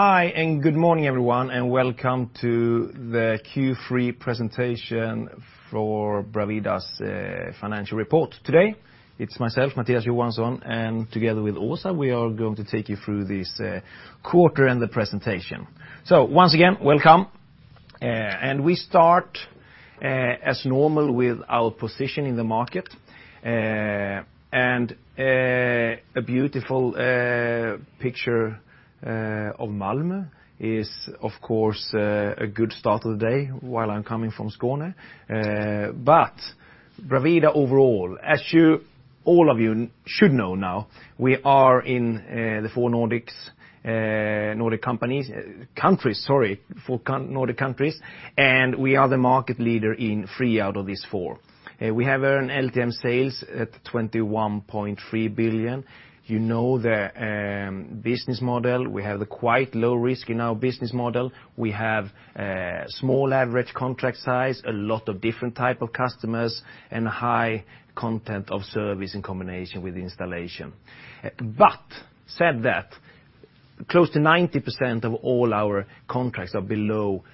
Hi, and good morning, everyone, and welcome to the Q3 presentation for Bravida's financial report. Today, it's myself, Mattias Johansson, and together with Åsa, we are going to take you through this quarter and the presentation, so once again, welcome, and we start, as normal, with our position in the market. And a beautiful picture of Malmö is, of course, a good start of the day while I'm coming from Skåne, but Bravida overall, as all of you should know now, we are in the four Nordic countries. Sorry, four Nordic countries, and we are the market leader in three out of these four. We have LTM sales at 21.3 billion. You know the business model. We have the quite low risk in our business model. We have small average contract size, a lot of different types of customers, and a high content of service in combination with installation. But that said, close to 90% of all our contracts are below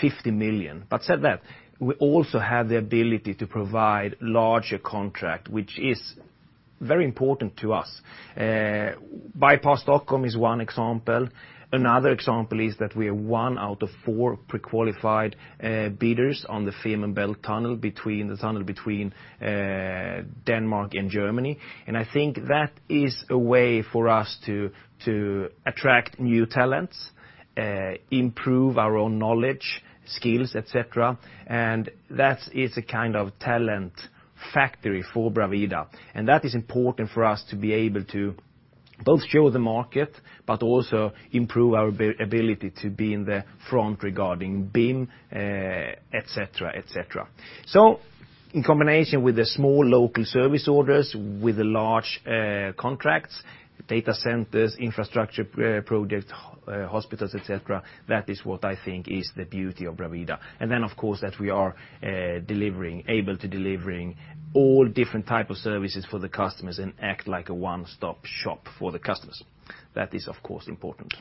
50 million. But that said, we also have the ability to provide larger contracts, which is very important to us. Bypass Stockholm is one example. Another example is that we are one out of four pre-qualified bidders on the Fehmarn Belt tunnel, the tunnel between Denmark and Germany. And I think that is a way for us to attract new talents, improve our own knowledge, skills, etc. And that is a kind of talent factory for Bravida. And that is important for us to be able to both show the market, but also improve our ability to be in the front regarding BIM, etc., etc. So in combination with the small local service orders, with the large contracts, data centers, infrastructure projects, hospitals, etc., that is what I think is the beauty of Bravida. And then, of course, that we are able to deliver all different types of services for the customers and act like a one-stop shop for the customers. That is, of course, important.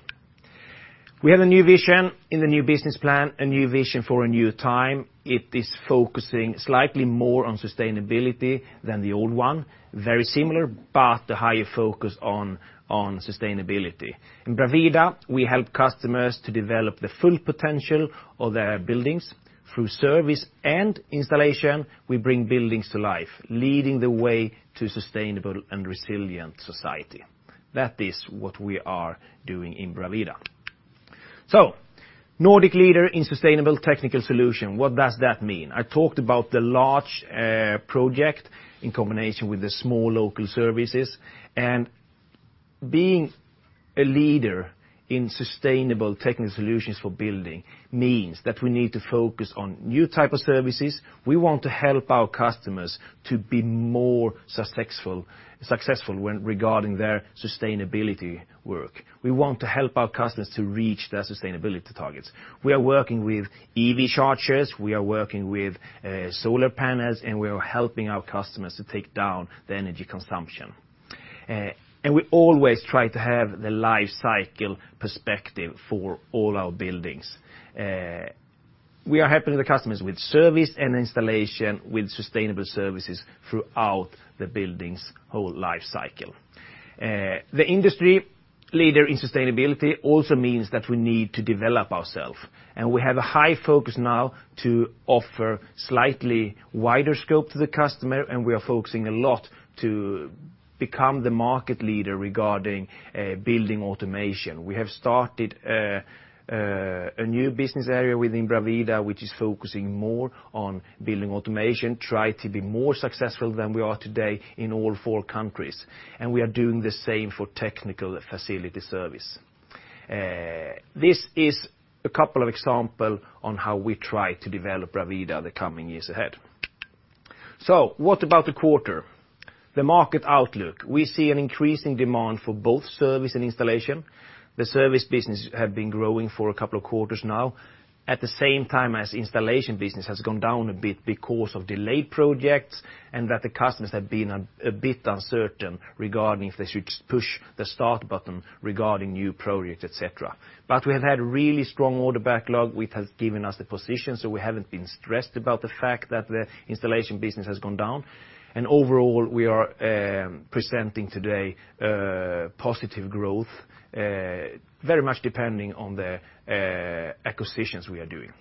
We have a new vision in the new business plan, a new vision for a new time. It is focusing slightly more on sustainability than the old one. Very similar, but a higher focus on sustainability. In Bravida, we help customers to develop the full potential of their buildings. Through service and installation, we bring buildings to life, leading the way to a sustainable and resilient society. That is what we are doing in Bravida. So Nordic leader in sustainable technical solution, what does that mean? I talked about the large project in combination with the small local services, and being a leader in sustainable technical solutions for building means that we need to focus on new types of services. We want to help our customers to be more successful regarding their sustainability work. We want to help our customers to reach their sustainability targets. We are working with EV chargers, we are working with solar panels, and we are helping our customers to take down the energy consumption, and we always try to have the life cycle perspective for all our buildings. We are helping the customers with service and installation, with sustainable services throughout the building's whole life cycle. The industry leader in sustainability also means that we need to develop ourselves. And we have a high focus now to offer slightly wider scope to the customer, and we are focusing a lot to become the market leader regarding building automation. We have started a new business area within Bravida, which is focusing more on building automation, trying to be more successful than we are today in all four countries. And we are doing the same for technical facility service. This is a couple of examples on how we try to develop Bravida the coming years ahead. So what about the quarter? The market outlook, we see an increasing demand for both service and installation. The service business has been growing for a couple of quarters now, at the same time as the installation business has gone down a bit because of delayed projects and that the customers have been a bit uncertain regarding if they should push the start button regarding new projects, etc. But we have had a really strong order backlog, which has given us the position, so we haven't been stressed about the fact that the installation business has gone down. And overall, we are presenting today positive growth, very much depending on the acquisitions we are doing.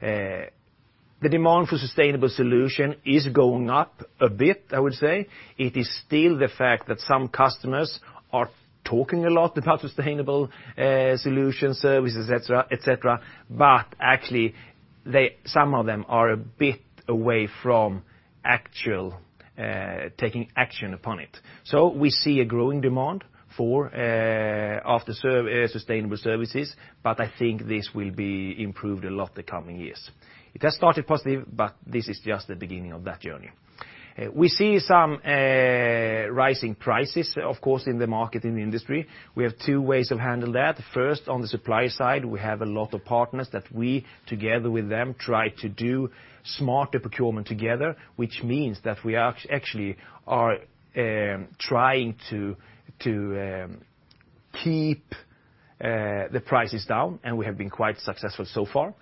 The demand for sustainable solutions is going up a bit, I would say. It is still the fact that some customers are talking a lot about sustainable solutions, services, etc., but actually some of them are a bit away from actual taking action upon it. So we see a growing demand for sustainable services, but I think this will be improved a lot in the coming years. It has started positively, but this is just the beginning of that journey. We see some rising prices, of course, in the market, in the industry. We have two ways of handling that. First, on the supply side, we have a lot of partners that we, together with them, try to do smarter procurement together, which means that we actually are trying to keep the prices down, and we have been quite successful so far.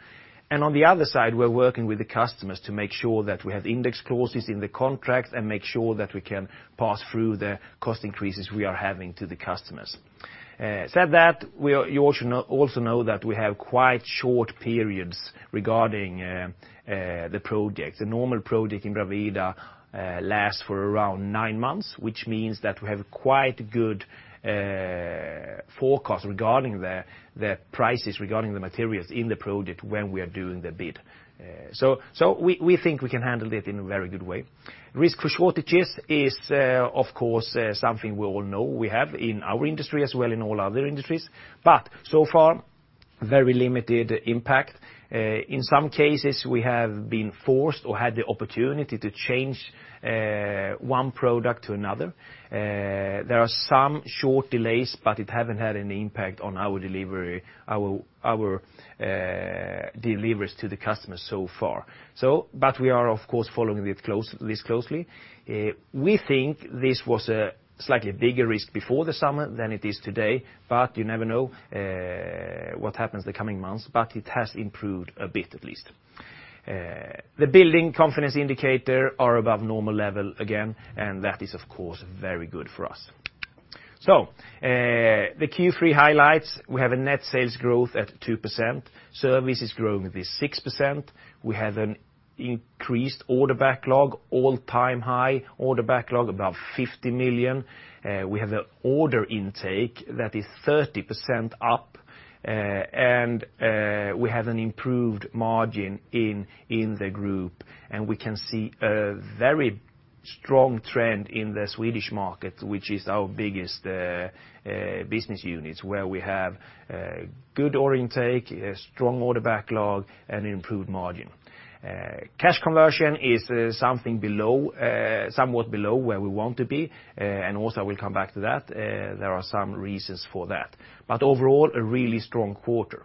And on the other side, we're working with the customers to make sure that we have index clauses in the contract and make sure that we can pass through the cost increases we are having to the customers. That said, you also know that we have quite short periods regarding the projects. A normal project in Bravida lasts for around nine months, which means that we have quite good forecasts regarding the prices, regarding the materials in the project when we are doing the bid. So we think we can handle it in a very good way. Risk for shortages is, of course, something we all know we have in our industry as well as in all other industries. But so far, very limited impact. In some cases, we have been forced or had the opportunity to change one product to another. There are some short delays, but it hasn't had any impact on our deliveries to the customers so far. But we are, of course, following this closely. We think this was a slightly bigger risk before the summer than it is today, but you never know what happens in the coming months. But it has improved a bit, at least. The business confidence indicators are above normal levels again, and that is, of course, very good for us. So the Q3 highlights, we have a net sales growth at 2%, services growing at 6%. We have an increased order backlog, all-time high order backlog, about 50 million. We have an order intake that is 30% up, and we have an improved margin in the group. And we can see a very strong trend in the Swedish market, which is our biggest business unit, where we have good order intake, a strong order backlog, and an improved margin. Cash conversion is something below, somewhat below where we want to be, and also we'll come back to that. There are some reasons for that. But overall, a really strong quarter.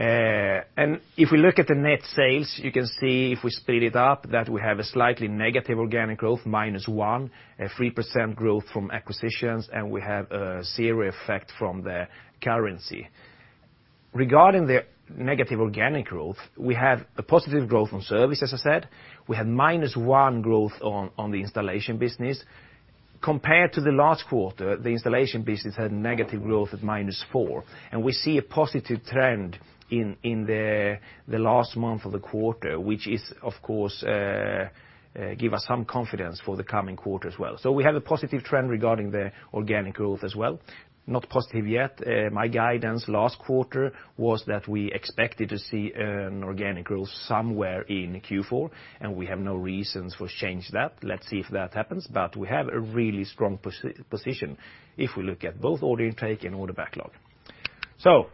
If we look at the net sales, you can see if we split it up that we have a slightly negative organic growth, -1%, a 3% growth from acquisitions, and we have a serious effect from the currency. Regarding the negative organic growth, we have a positive growth on services, as I said. We have -1% growth on the installation business. Compared to the last quarter, the installation business had negative growth at -4%. We see a positive trend in the last month of the quarter, which is, of course, gives us some confidence for the coming quarter as well. We have a positive trend regarding the organic growth as well. Not positive yet. My guidance last quarter was that we expected to see an organic growth somewhere in Q4, and we have no reasons for changing that. Let's see if that happens, but we have a really strong position if we look at both order intake and order backlog. So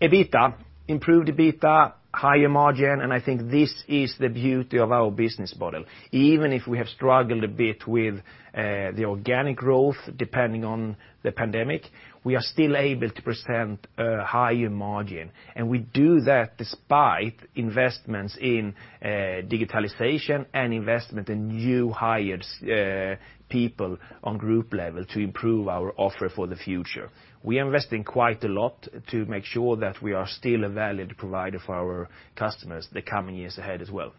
EBITDA, improved EBITDA, higher margin, and I think this is the beauty of our business model. Even if we have struggled a bit with the organic growth depending on the pandemic, we are still able to present a higher margin. And we do that despite investments in digitalization and investment in new hired people on group level to improve our offer for the future. We are investing quite a lot to make sure that we are still a valid provider for our customers the coming years ahead as well.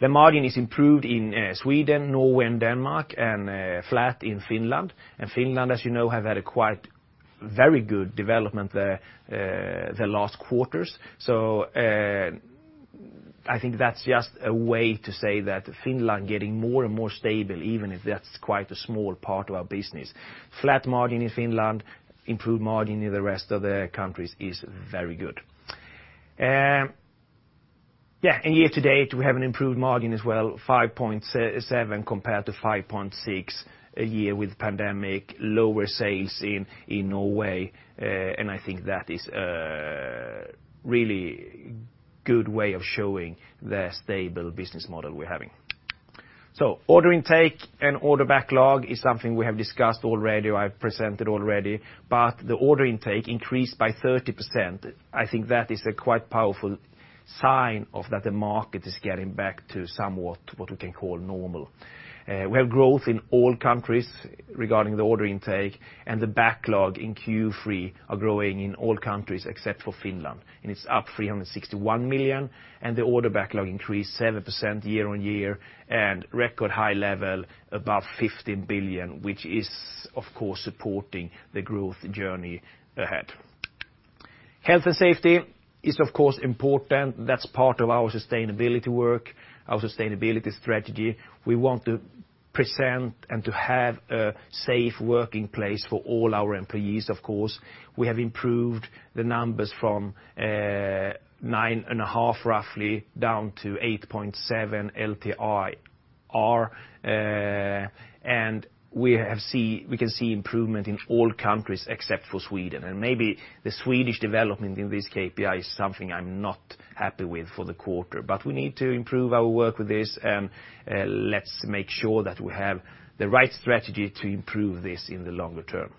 The margin is improved in Sweden, Norway, and Denmark, and flat in Finland. And Finland, as you know, has had a quite very good development the last quarters. So I think that's just a way to say that Finland is getting more and more stable, even if that's quite a small part of our business. Flat margin in Finland, improved margin in the rest of the countries is very good. Yeah, and year to date, we have an improved margin as well, 5.7 compared to 5.6 a year with the pandemic, lower sales in Norway. And I think that is a really good way of showing the stable business model we're having. So order intake and order backlog is something we have discussed already. I've presented already. But the order intake increased by 30%. I think that is a quite powerful sign that the market is getting back to somewhat what we can call normal. We have growth in all countries regarding the order intake, and the backlog in Q3 is growing in all countries except for Finland. It's up 361 million, and the order backlog increased 7% year on year and record high level above 15 billion, which is, of course, supporting the growth journey ahead. Health and safety is, of course, important. That's part of our sustainability work, our sustainability strategy. We want to present and to have a safe working place for all our employees, of course. We have improved the numbers from nine and a half, roughly, down to 8.7 LTIR. And we can see improvement in all countries except for Sweden. And maybe the Swedish development in this KPI is something I'm not happy with for the quarter. But we need to improve our work with this, and let's make sure that we have the right strategy to improve this in the longer term.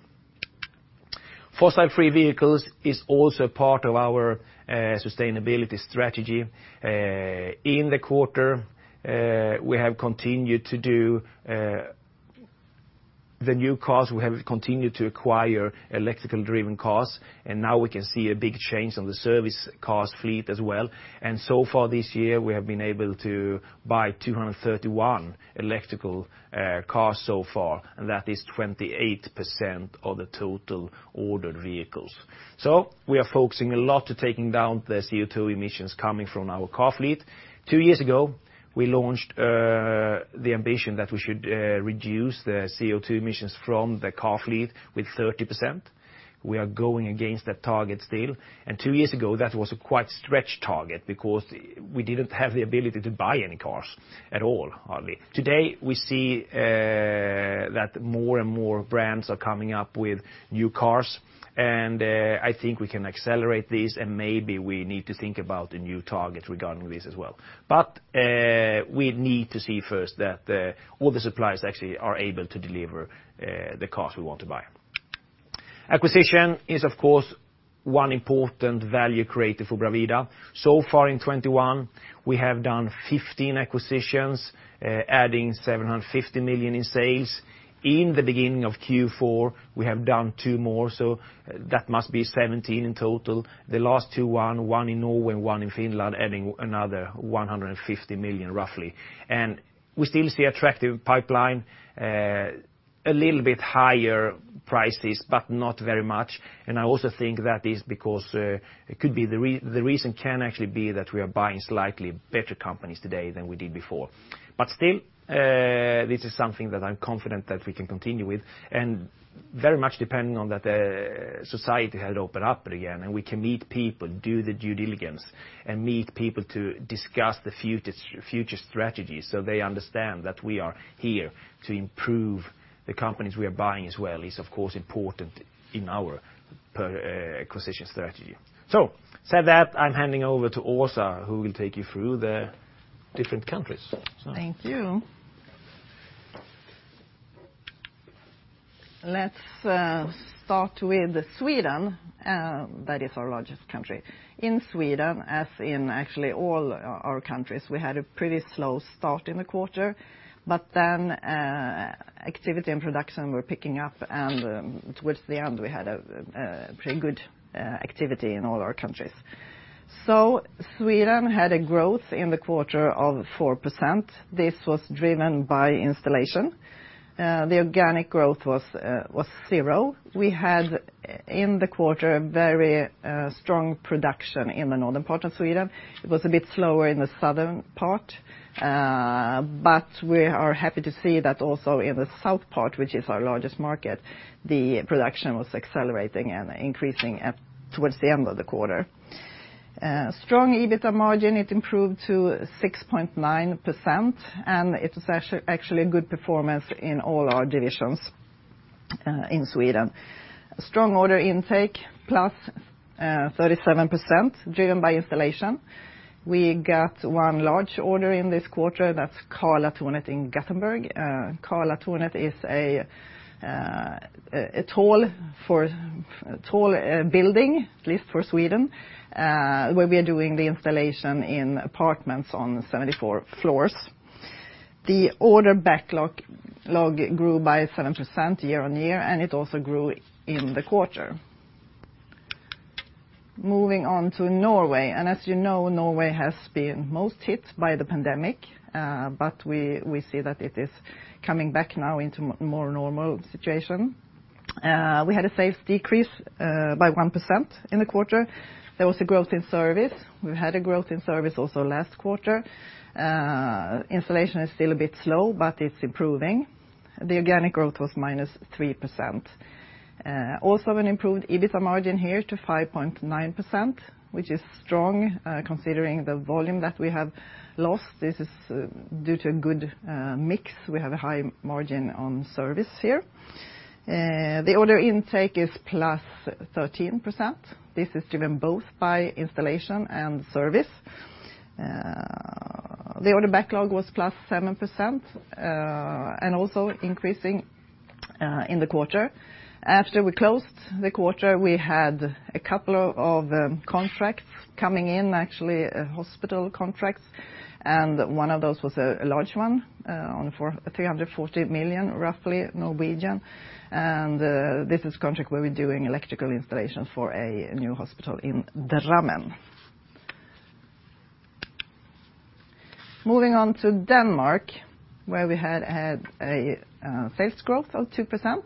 Fossil-free vehicles is also part of our sustainability strategy. In the quarter, we have continued to do the new cars. We have continued to acquire electrical-driven cars, and now we can see a big change on the service cars fleet as well. And so far this year, we have been able to buy 231 electrical cars so far, and that is 28% of the total ordered vehicles. So we are focusing a lot on taking down the CO2 emissions coming from our car fleet. Two years ago, we launched the ambition that we should reduce the CO2 emissions from the car fleet with 30%. We are going against that target still. And two years ago, that was a quite stretched target because we didn't have the ability to buy any cars at all, hardly. Today, we see that more and more brands are coming up with new cars, and I think we can accelerate this, and maybe we need to think about a new target regarding this as well. But we need to see first that all the suppliers actually are able to deliver the cars we want to buy. Acquisition is, of course, one important value created for Bravida. So far in 2021, we have done 15 acquisitions, adding 750 million in sales. In the beginning of Q4, we have done two more, so that must be 17 in total. The last two won, one in Norway and one in Finland, adding another 150 million, roughly. And we still see attractive pipeline, a little bit higher prices, but not very much. And I also think that is because it could be the reason can actually be that we are buying slightly better companies today than we did before. But still, this is something that I'm confident that we can continue with, and very much depending on that society has opened up again, and we can meet people, do the due diligence, and meet people to discuss the future strategies so they understand that we are here to improve the companies we are buying as well is, of course, important in our acquisition strategy. So said that, I'm handing over to Åsa, who will take you through the different countries. Thank you. Let's start with Sweden, that is our largest country. In Sweden, as in actually all our countries, we had a pretty slow start in the quarter, but then activity and production were picking up, and towards the end, we had a pretty good activity in all our countries. So Sweden had a growth in the quarter of 4%. This was driven by installation. The organic growth was zero. We had in the quarter a very strong production in the northern part of Sweden. It was a bit slower in the southern part, but we are happy to see that also in the south part, which is our largest market, the production was accelerating and increasing towards the end of the quarter. Strong EBITDA margin, it improved to 6.9%, and it was actually a good performance in all our divisions in Sweden. Strong order intake plus 37% driven by installation. We got one large order in this quarter. That's Karlatornet in Gothenburg. Karlatornet is a tall building, at least for Sweden, where we are doing the installation in apartments on 74 floors. The order backlog grew by 7% year on year, and it also grew in the quarter. Moving on to Norway, and as you know, Norway has been most hit by the pandemic, but we see that it is coming back now into a more normal situation. We had a sales decrease by 1% in the quarter. There was a growth in service. We've had a growth in service also last quarter. Installation is still a bit slow, but it's improving. The organic growth was minus 3%. Also an improved EBITDA margin here to 5.9%, which is strong considering the volume that we have lost. This is due to a good mix. We have a high margin on service here. The order intake is plus 13%. This is driven both by installation and service. The order backlog was plus 7% and also increasing in the quarter. After we closed the quarter, we had a couple of contracts coming in, actually hospital contracts, and one of those was a large one on 340 million, roughly. And this is a contract where we're doing electrical installations for a new hospital in Drammen. Moving on to Denmark, where we had a sales growth of 2%.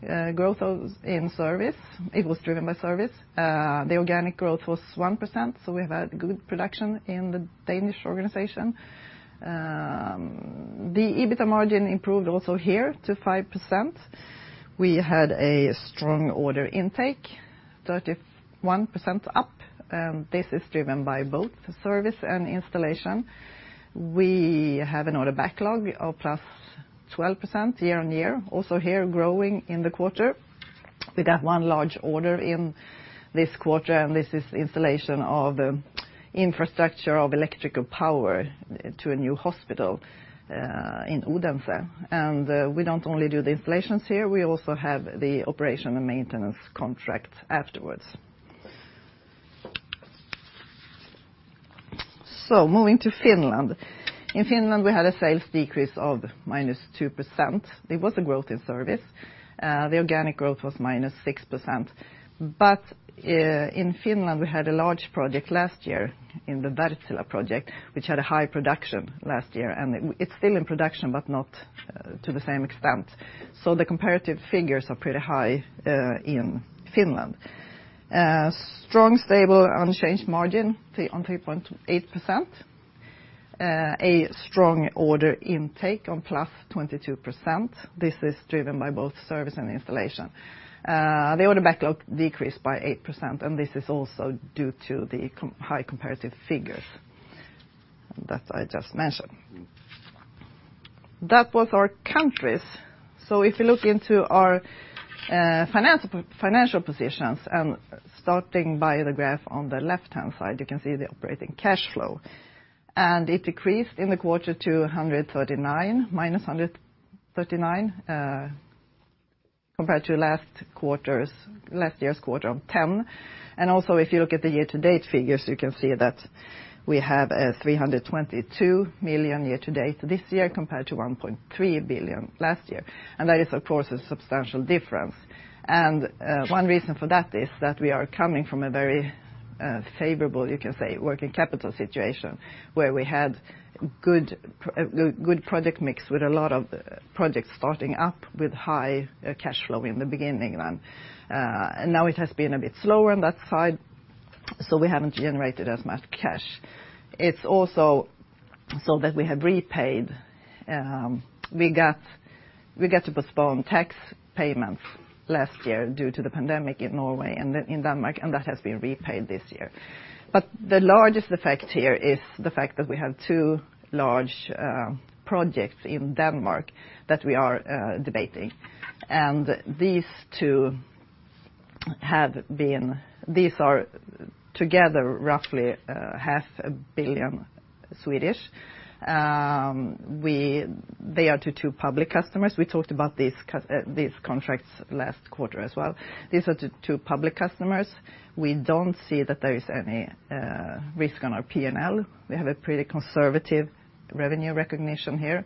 Growth in service, it was driven by service. The organic growth was 1%, so we have had good production in the Danish organization. The EBITDA margin improved also here to 5%. We had a strong order intake, 31% up, and this is driven by both service and installation. We have an order backlog of plus 12% year on year, also here growing in the quarter. We got one large order in this quarter, and this is installation of infrastructure of electrical power to a new hospital in Odense. And we don't only do the installations here. We also have the operation and maintenance contract afterwards. So moving to Finland. In Finland, we had a sales decrease of minus 2%. There was a growth in service. The organic growth was minus 6%. But in Finland, we had a large project last year in the Wärtsilä project, which had a high production last year, and it's still in production, but not to the same extent. So the comparative figures are pretty high in Finland. Strong, stable, unchanged margin on 3.8%. A strong order intake on plus 22%. This is driven by both service and installation. The order backlog decreased by 8%, and this is also due to the high comparative figures that I just mentioned. That was our countries, so if we look into our financial positions, and starting by the graph on the left-hand side, you can see the operating cash flow, and it decreased in the quarter to -139 million compared to last year's quarter of 10 million, and also, if you look at the year-to-date figures, you can see that we have a 322 million year-to-date this year compared to 1.3 billion last year, and that is, of course, a substantial difference, and one reason for that is that we are coming from a very favorable, you can say, working capital situation where we had a good project mix with a lot of projects starting up with high cash flow in the beginning. Now it has been a bit slower on that side, so we haven't generated as much cash. It's also so that we have repaid. We got to postpone tax payments last year due to the pandemic in Norway and in Denmark, and that has been repaid this year. The largest effect here is the fact that we have two large projects in Denmark that we are debating. These two are together roughly 500 million. They are to two public customers. We talked about these contracts last quarter as well. These are to two public customers. We don't see that there is any risk on our P&L. We have a pretty conservative revenue recognition here,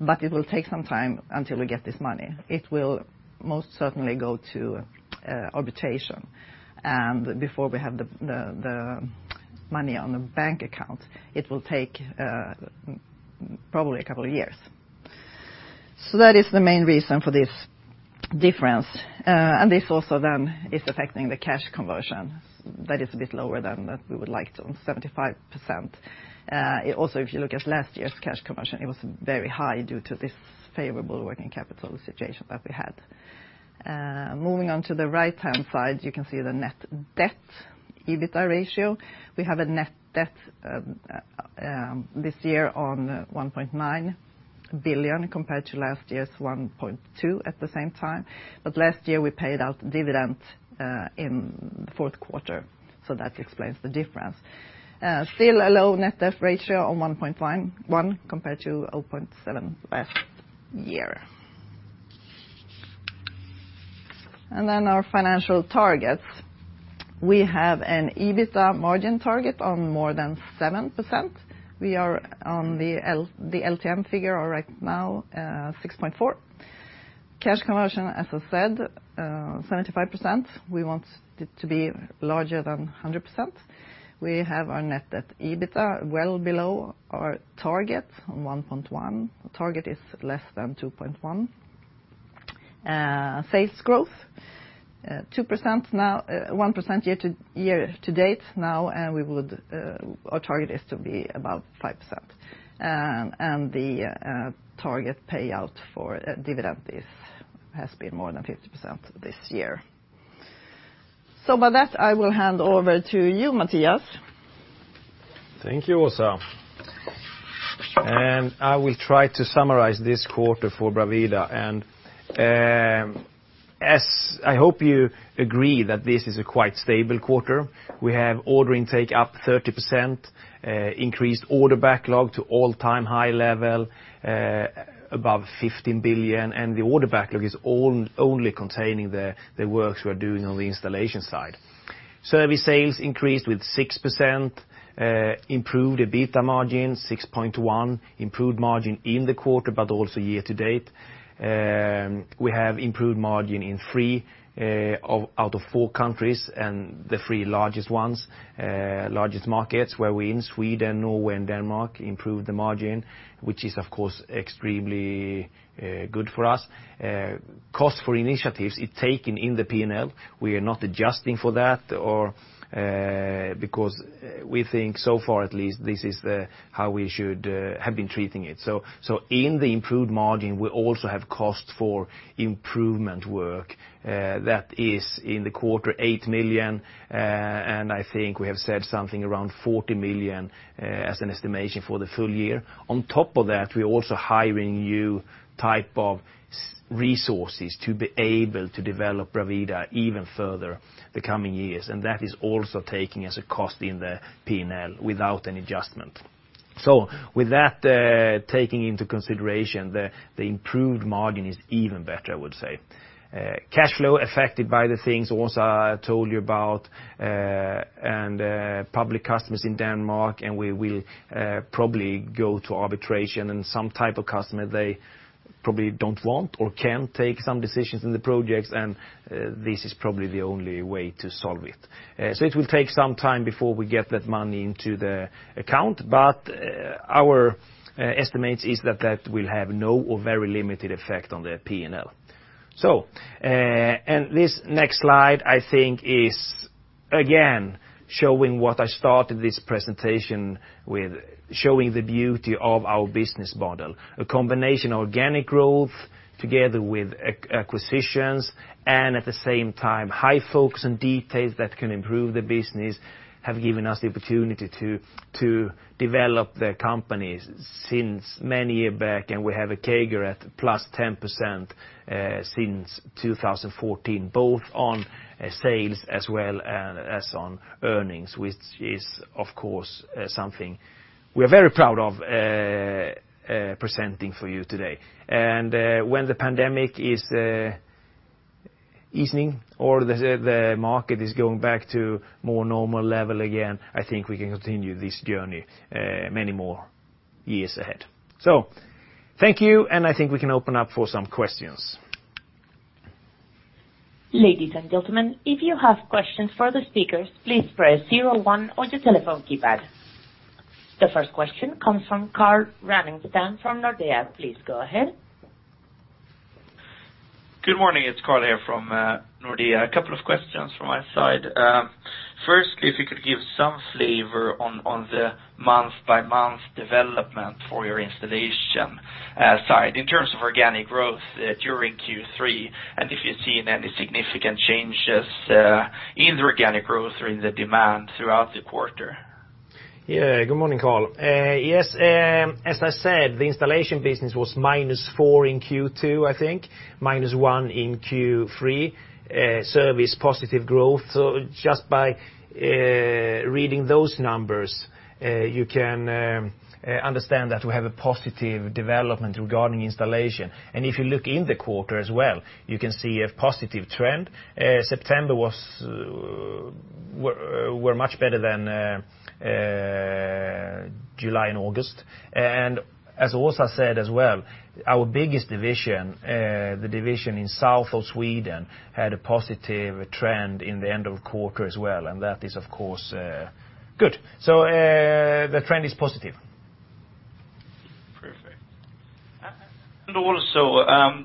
but it will take some time until we get this money. It will most certainly go to arbitration. And before we have the money on the bank account, it will take probably a couple of years. So that is the main reason for this difference. And this also then is affecting the cash conversion that is a bit lower than that we would like to, 75%. Also, if you look at last year's cash conversion, it was very high due to this favorable working capital situation that we had. Moving on to the right-hand side, you can see the net debt EBITDA ratio. We have a net debt this year on 1.9 billion compared to last year's 1.2 billion at the same time. But last year, we paid out dividend in the fourth quarter, so that explains the difference. Still a low net debt ratio on 1.1 compared to 0.7 last year. And then our financial targets. We have an EBITDA margin target on more than 7%. We are on the LTM figure right now, 6.4. Cash conversion, as I said, 75%. We want it to be larger than 100%. We have our net debt EBITDA well below our target on 1.1. The target is less than 2.1. Sales growth, 2% now, 1% year-to-date now, and our target is to be about 5%, and the target payout for dividend has been more than 50% this year, so by that, I will hand over to you, Mattias. Thank you, Åsa. I will try to summarize this quarter for Bravida. I hope you agree that this is a quite stable quarter. We have order intake up 30%, increased order backlog to all-time high level above 15 billion, and the order backlog is only containing the works we are doing on the installation side. Service sales increased with 6%, improved EBITDA margin 6.1%, improved margin in the quarter, but also year-to-date. We have improved margin in three out of four countries, and the three largest ones, largest markets where we're in, Sweden, Norway, and Denmark, improved the margin, which is, of course, extremely good for us. Cost for initiatives is taken in the P&L. We are not adjusting for that because we think so far, at least, this is how we should have been treating it. So in the improved margin, we also have cost for improvement work. That is in the quarter, 8 million, and I think we have said something around 40 million as an estimation for the full year. On top of that, we're also hiring new type of resources to be able to develop Bravida even further the coming years, and that is also taken as a cost in the P&L without any adjustment. So with that taken into consideration, the improved margin is even better, I would say. Cash flow affected by the things Åsa told you about and public customers in Denmark, and we will probably go to arbitration and some type of customer they probably don't want or can take some decisions in the projects, and this is probably the only way to solve it. It will take some time before we get that money into the account, but our estimate is that that will have no or very limited effect on the P&L. And this next slide, I think, is again showing what I started this presentation with, showing the beauty of our business model. A combination of organic growth together with acquisitions and at the same time, high focus on details that can improve the business have given us the opportunity to develop the company since many years back, and we have a CAGR at plus 10% since 2014, both on sales as well as on earnings, which is, of course, something we are very proud of presenting for you today. And when the pandemic is easing or the market is going back to more normal level again, I think we can continue this journey many more years ahead. So thank you, and I think we can open up for some questions. Ladies and gentlemen, if you have questions for the speakers, please press zero one on your telephone keypad. The first question comes from Carl Ranningstam from Nordea. Please go ahead. Good morning. It's Carl here from Nordea. A couple of questions from my side. First, if you could give some flavor on the month-by-month development for your installation side in terms of organic growth during Q3, and if you've seen any significant changes in the organic growth or in the demand throughout the quarter. Yeah, good morning, Carl. Yes, as I said, the installation business was minus 4% in Q2, I think, minus 1% in Q3, service positive growth. So just by reading those numbers, you can understand that we have a positive development regarding installation. And if you look in the quarter as well, you can see a positive trend. September were much better than July and August. And as Åsa said as well, our biggest division, the division in south of Sweden, had a positive trend in the end of quarter as well, and that is, of course, good. So the trend is positive. Perfect. And also,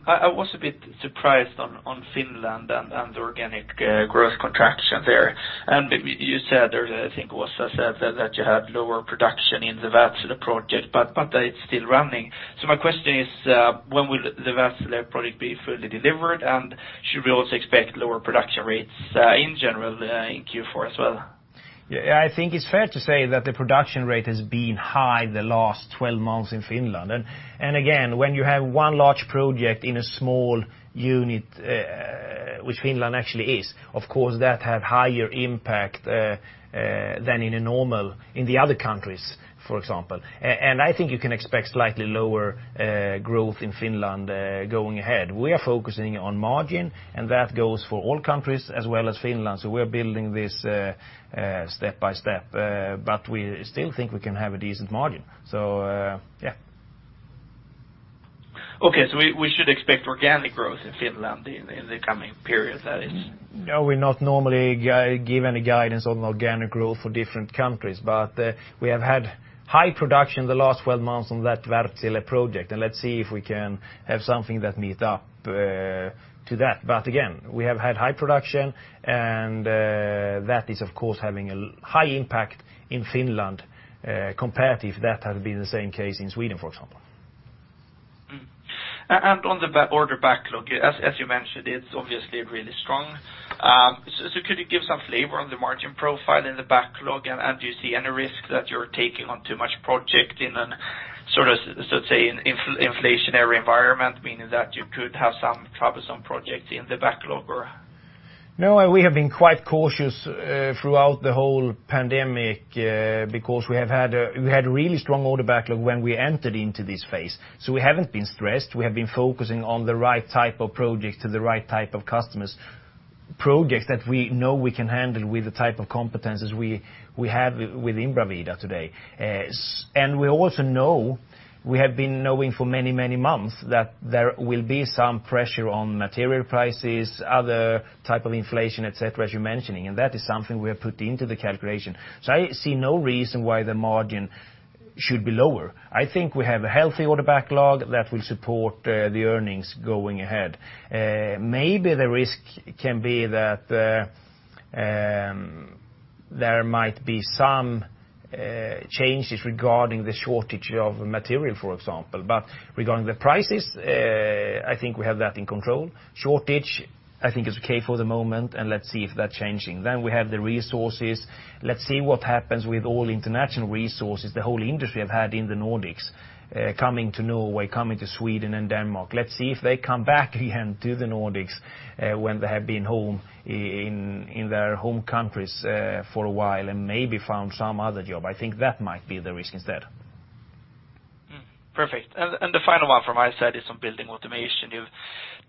I was a bit surprised on Finland and the organic growth contraction there. And you said there, I think Åsa said, that you had lower production in the Wärtsilä project, but it's still running. So my question is, when will the Wärtsilä project be fully delivered, and should we also expect lower production rates in general in Q4 as well? Yeah, I think it's fair to say that the production rate has been high the last 12 months in Finland. And again, when you have one large project in a small unit, which Finland actually is, of course, that has higher impact than in the normal in the other countries, for example. And I think you can expect slightly lower growth in Finland going ahead. We are focusing on margin, and that goes for all countries as well as Finland. So we are building this step by step, but we still think we can have a decent margin. So yeah. Okay, so we should expect organic growth in Finland in the coming period, that is? No, we're not normally given the guidance on organic growth for different countries, but we have had high production the last 12 months on that Wärtsilä project, and let's see if we can have something that meets up to that. But again, we have had high production, and that is, of course, having a high impact in Finland compared to if that had been the same case in Sweden, for example. On the order backlog, as you mentioned, it's obviously really strong. So could you give some flavor on the margin profile in the backlog, and do you see any risk that you're taking on too much project in a sort of, let's say, inflationary environment, meaning that you could have some troublesome projects in the backlog or? No, we have been quite cautious throughout the whole pandemic because we had a really strong order backlog when we entered into this phase. So we haven't been stressed. We have been focusing on the right type of project to the right type of customers, projects that we know we can handle with the type of competencies we have within Bravida today. And we also know we have been knowing for many, many months that there will be some pressure on material prices, other type of inflation, etc., as you're mentioning, and that is something we have put into the calculation. So I see no reason why the margin should be lower. I think we have a healthy order backlog that will support the earnings going ahead. Maybe the risk can be that there might be some changes regarding the shortage of material, for example. But regarding the prices, I think we have that in control. Shortage, I think it's okay for the moment, and let's see if that's changing. Then we have the resources. Let's see what happens with all international resources, the whole industry I've had in the Nordics, coming to Norway, coming to Sweden and Denmark. Let's see if they come back again to the Nordics when they have been home in their home countries for a while and maybe found some other job. I think that might be the risk instead. Perfect. And the final one from my side is on building automation. You've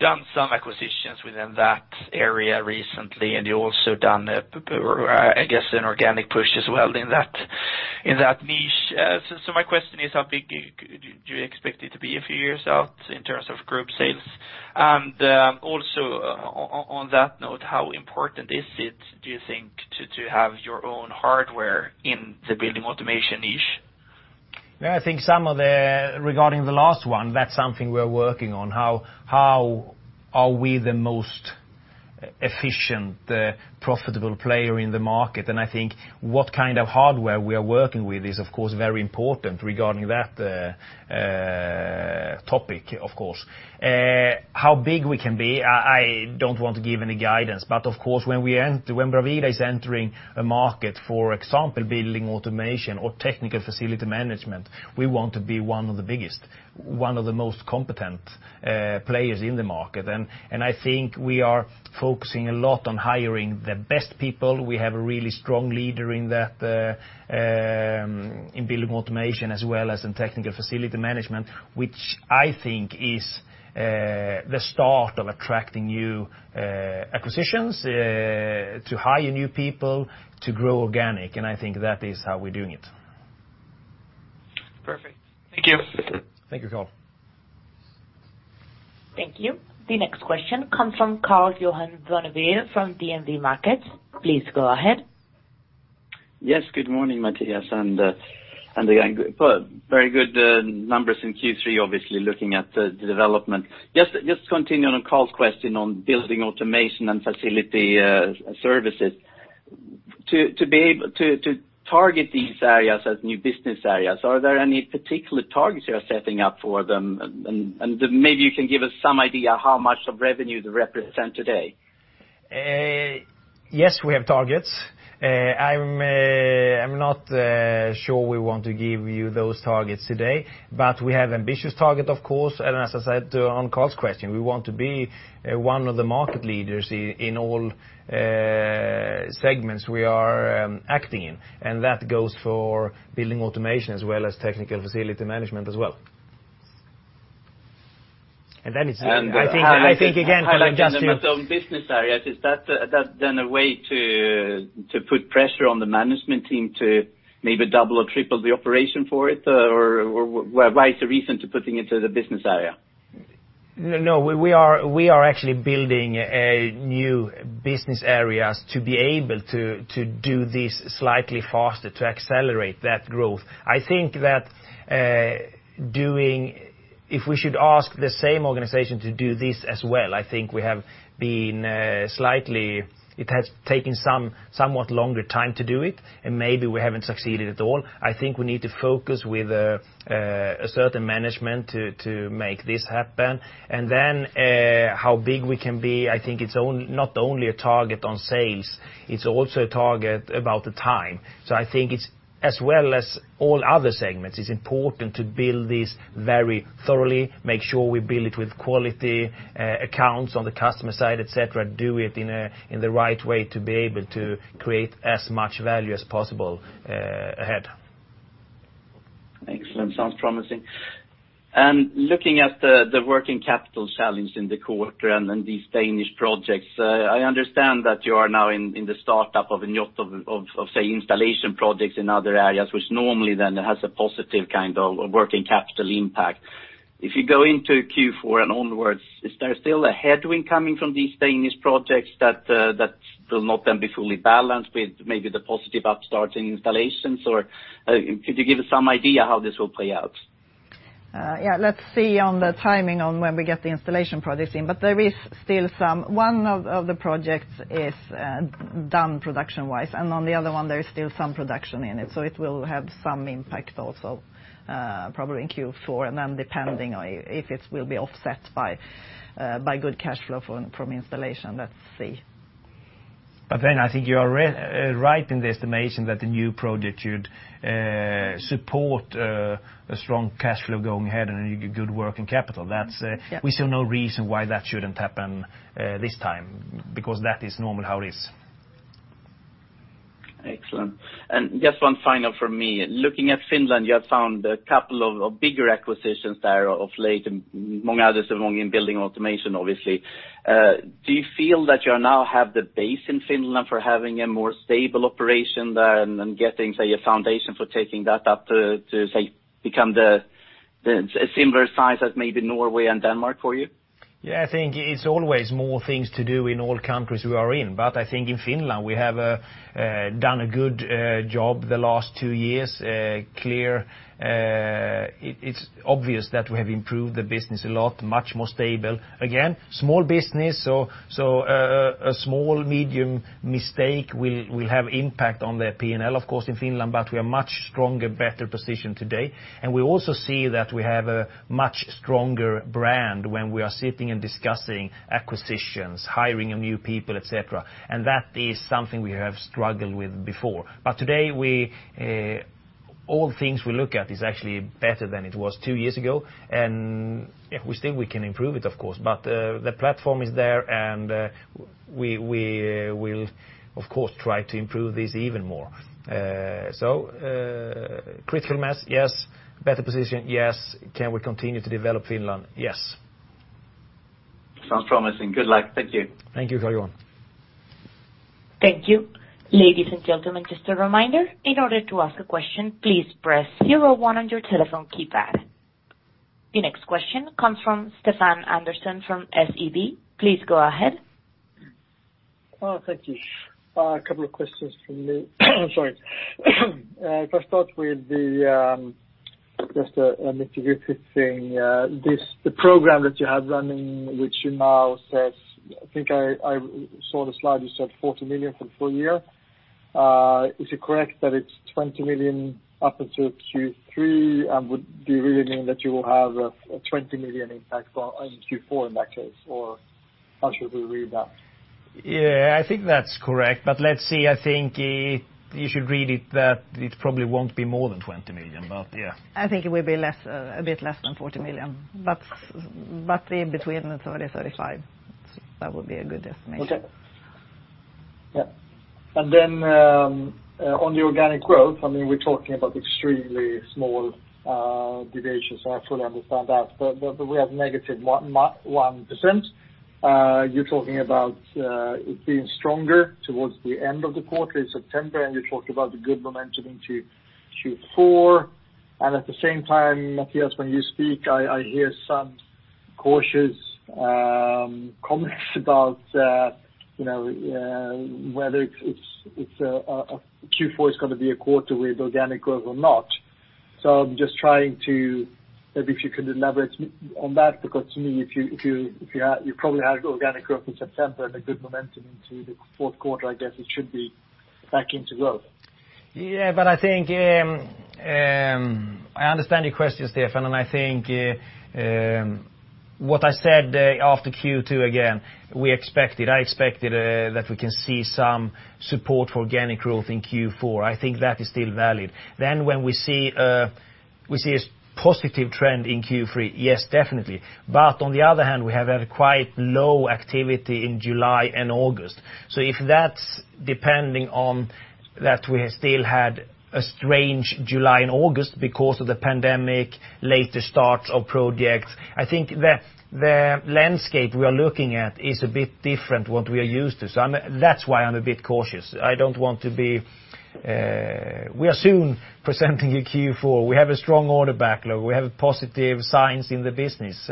done some acquisitions within that area recently, and you've also done, I guess, an organic push as well in that niche. So my question is, how big do you expect it to be a few years out in terms of group sales? And also on that note, how important is it, do you think, to have your own hardware in the building automation niche? Yeah, I think some of the regarding the last one, that's something we're working on, how are we the most efficient, profitable player in the market, and I think what kind of hardware we are working with is, of course, very important regarding that topic, of course. How big we can be, I don't want to give any guidance, but of course, when Bravida is entering a market, for example, building automation or technical facility management, we want to be one of the biggest, one of the most competent players in the market. I think we are focusing a lot on hiring the best people. We have a really strong leader in building automation as well as in technical facility management, which I think is the start of attracting new acquisitions to hire new people to grow organic, and I think that is how we're doing it. Perfect. Thank you. Thank you, Carl. Thank you. The next question comes from Karl-Johan Bonnevier from DNB Markets. Please go ahead. Yes, good morning, Mattias. And again, very good numbers in Q3, obviously, looking at the development. Just continuing on Carl's question on building automation and facility services, to target these areas as new business areas, are there any particular targets you're setting up for them? And maybe you can give us some idea how much of revenue they represent today. Yes, we have targets. I'm not sure we want to give you those targets today, but we have ambitious targets, of course. And as I said on Carl's question, we want to be one of the market leaders in all segments we are acting in. And that goes for building automation as well as technical facility management as well. And then it's I think again for the business areas, is that then a way to put pressure on the management team to maybe double or triple the operation for it? Or why is the reason to putting it to the business area? No, we are actually building new business areas to be able to do this slightly faster, to accelerate that growth. I think that doing, if we should ask the same organization to do this as well, I think we have been slightly, it has taken somewhat longer time to do it, and maybe we haven't succeeded at all. I think we need to focus with a certain management to make this happen, and then how big we can be, I think it's not only a target on sales, it's also a target about the time, so I think it's as well as all other segments, it's important to build this very thoroughly, make sure we build it with quality accounts on the customer side, etc., do it in the right way to be able to create as much value as possible ahead. Excellent. Sounds promising, and looking at the working capital challenge in the quarter and these Danish projects, I understand that you are now in the startup of a lot of, say, installation projects in other areas, which normally then has a positive kind of working capital impact. If you go into Q4 and onwards, is there still a headwind coming from these Danish projects that will not then be fully balanced with maybe the positive upstarts in installations? Or could you give us some idea how this will play out? Yeah, let's see on the timing on when we get the installation projects in, but there is still some, one of the projects is done production-wise, and on the other one, there is still some production in it, so it will have some impact also probably in Q4. And then, depending if it will be offset by good cash flow from installation, let's see. But then I think you are right in the estimation that the new project should support a strong cash flow going ahead and good working capital. We see no reason why that shouldn't happen this time because that is normal how it is. Excellent. And just one final for me. Looking at Finland, you have found a couple of bigger acquisitions there of late, and many others among in building automation, obviously. Do you feel that you now have the base in Finland for having a more stable operation there and getting, say, a foundation for taking that up to, say, become the similar size as maybe Norway and Denmark for you? Yeah, I think it's always more things to do in all countries we are in, but I think in Finland we have done a good job the last two years. Clear. It's obvious that we have improved the business a lot, much more stable. Again, small business, so a small medium mistake will have impact on the P&L, of course, in Finland, but we are much stronger, better positioned today. And we also see that we have a much stronger brand when we are sitting and discussing acquisitions, hiring new people, etc. And that is something we have struggled with before. But today, all things we look at is actually better than it was two years ago. And yeah, we still can improve it, of course, but the platform is there, and we will, of course, try to improve this even more. So critical mass, yes. Better position, yes. Can we continue to develop Finland? Yes. Sounds promising. Good luck. Thank you. Thank you, Karl-Johan. Thank you. Ladies and gentlemen, just a reminder, in order to ask a question, please press 01 on your telephone keypad. The next question comes from Stefan Andersson from SEB. Please go ahead. Oh, thank you. A couple of questions from me. I'm sorry. First thought would be just an interim thing. The program that you have running, which you now says, I think I saw the slide, you said 40 million for the full year. Is it correct that it's 20 million up until Q3, and would you really mean that you will have a 20 million impact in Q4 in that case, or how should we read that? Yeah, I think that's correct, but let's see. I think you should read it that it probably won't be more than 20 million, but yeah. I think it will be a bit less than 40 million, but in between 30-35 million. That would be a good estimation. Okay. Yeah, and then on the organic growth, I mean, we're talking about extremely small deviations, so I fully understand that. But we have negative 1%. You're talking about it being stronger towards the end of the quarter in September, and you talked about the good momentum into Q4, and at the same time, Mattias, when you speak, I hear some cautious comments about whether Q4 is going to be a quarter with organic growth or not, so I'm just trying to maybe if you could elaborate on that, because to me, if you probably had organic growth in September and a good momentum into the fourth quarter, I guess it should be back into growth. Yeah, but I think I understand your question, Stefan, and I think what I said after Q2 again, we expect it. I expected that we can see some support for organic growth in Q4. I think that is still valid. Then when we see a positive trend in Q3, yes, definitely. But on the other hand, we have had quite low activity in July and August. So if that's depending on that we still had a strange July and August because of the pandemic, later starts of projects, I think the landscape we are looking at is a bit different from what we are used to. So that's why I'm a bit cautious. I don't want to be we are soon presenting in Q4. We have a strong order backlog. We have positive signs in the business.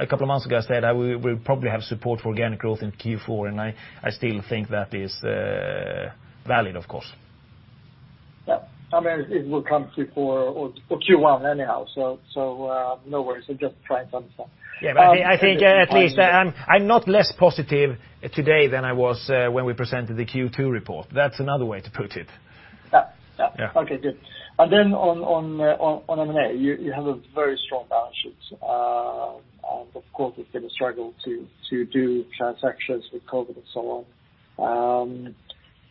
A couple of months ago, I said we will probably have support for organic growth in Q4, and I still think that is valid, of course. Yeah. I mean, it will come Q4 or Q1 anyhow, so no worries. I'm just trying to understand. Yeah, I think at least I'm not less positive today than I was when we presented the Q2 report. That's another way to put it. Yeah. Yeah. Okay, good. And then on M&A, you have a very strong balance sheet, and of course, it's been a struggle to do transactions with COVID and so on. I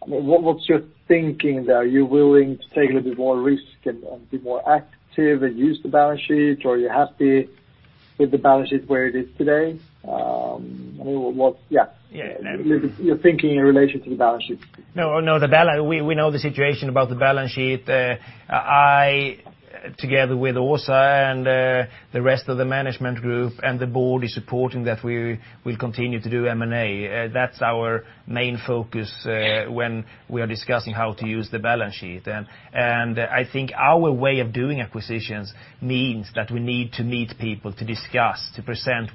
mean, what's your thinking there? Are you willing to take a little bit more risk and be more active and use the balance sheet, or are you happy with the balance sheet where it is today? I mean, what's your thinking in relation to the balance sheet. No, no, we know the situation about the balance sheet. I, together with Åsa and the rest of the management group and the board, are supporting that we will continue to do M&A. That's our main focus when we are discussing how to use the balance sheet. And I think our way of doing acquisitions means that we need to meet people to discuss, to present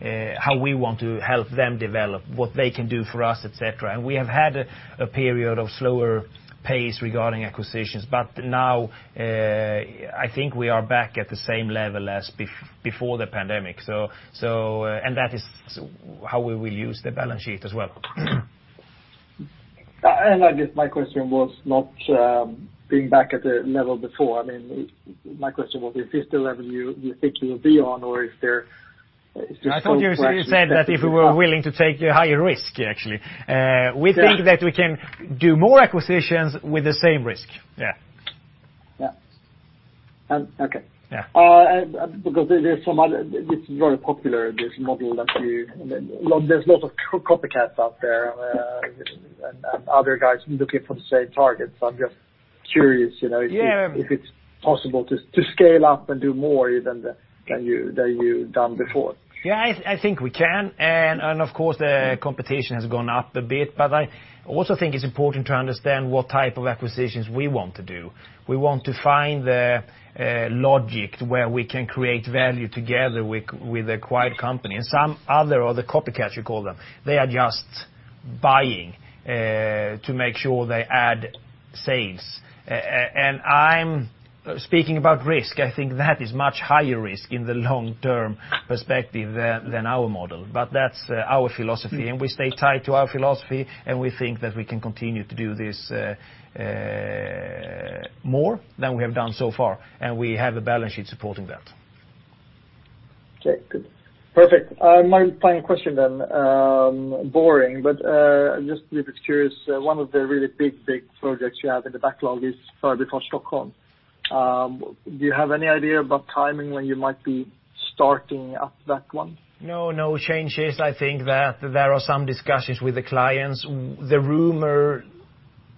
how we want to help them develop, what they can do for us, etc. And we have had a period of slower pace regarding acquisitions, but now I think we are back at the same level as before the pandemic. And that is how we will use the balance sheet as well. My question was not being back at the level before. I mean, my question was, is this the level you think you will be on, or is there? I thought you said that if we were willing to take a higher risk, actually. We think that we can do more acquisitions with the same risk. Yeah. Yeah. Okay. Because this is very popular, this model that you, there's lots of copycats out there and other guys looking for the same targets. I'm just curious if it's possible to scale up and do more even than you've done before. Yeah, I think we can. And of course, the competition has gone up a bit, but I also think it's important to understand what type of acquisitions we want to do. We want to find the logic where we can create value together with a quiet company. And some other copycats, you call them, they are just buying to make sure they add sales. And I'm speaking about risk. I think that is much higher risk in the long-term perspective than our model, but that's our philosophy. And we stay tied to our philosophy, and we think that we can continue to do this more than we have done so far, and we have a balance sheet supporting that. Okay. Good. Perfect. My final question then, boring, but just curious, one of the really big, big projects you have in the backlog is Förbifart Stockholm. Do you have any idea about timing when you might be starting up that one? No, no changes. I think that there are some discussions with the clients. The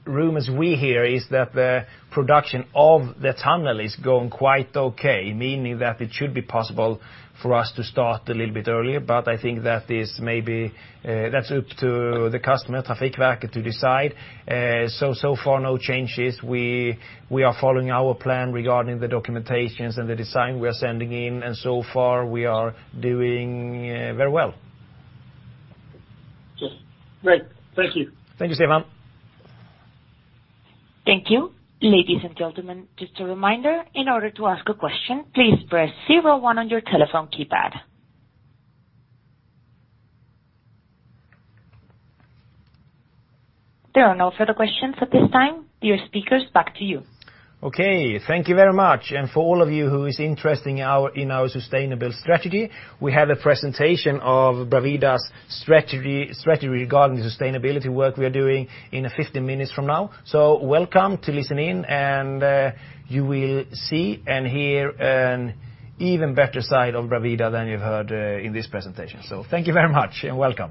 rumors we hear is that the production of the tunnel is going quite okay, meaning that it should be possible for us to start a little bit earlier, but I think that is maybe that's up to the customer, Traffic Rack, to decide. So far, no changes. We are following our plan regarding the documentations and the design we are sending in, and so far we are doing very well. Good. Great. Thank you. Thank you, Stefan. Thank you. Ladies and gentlemen, just a reminder, in order to ask a question, please press 01 on your telephone keypad. There are no further questions at this time. Dear speakers, back to you. Okay. Thank you very much, and for all of you who are interested in our sustainable strategy, we have a presentation of Bravida's strategy regarding the sustainability work we are doing in 15 minutes from now, so welcome to listen in, and you will see and hear an even better side of Bravida than you've heard in this presentation, so thank you very much and welcome.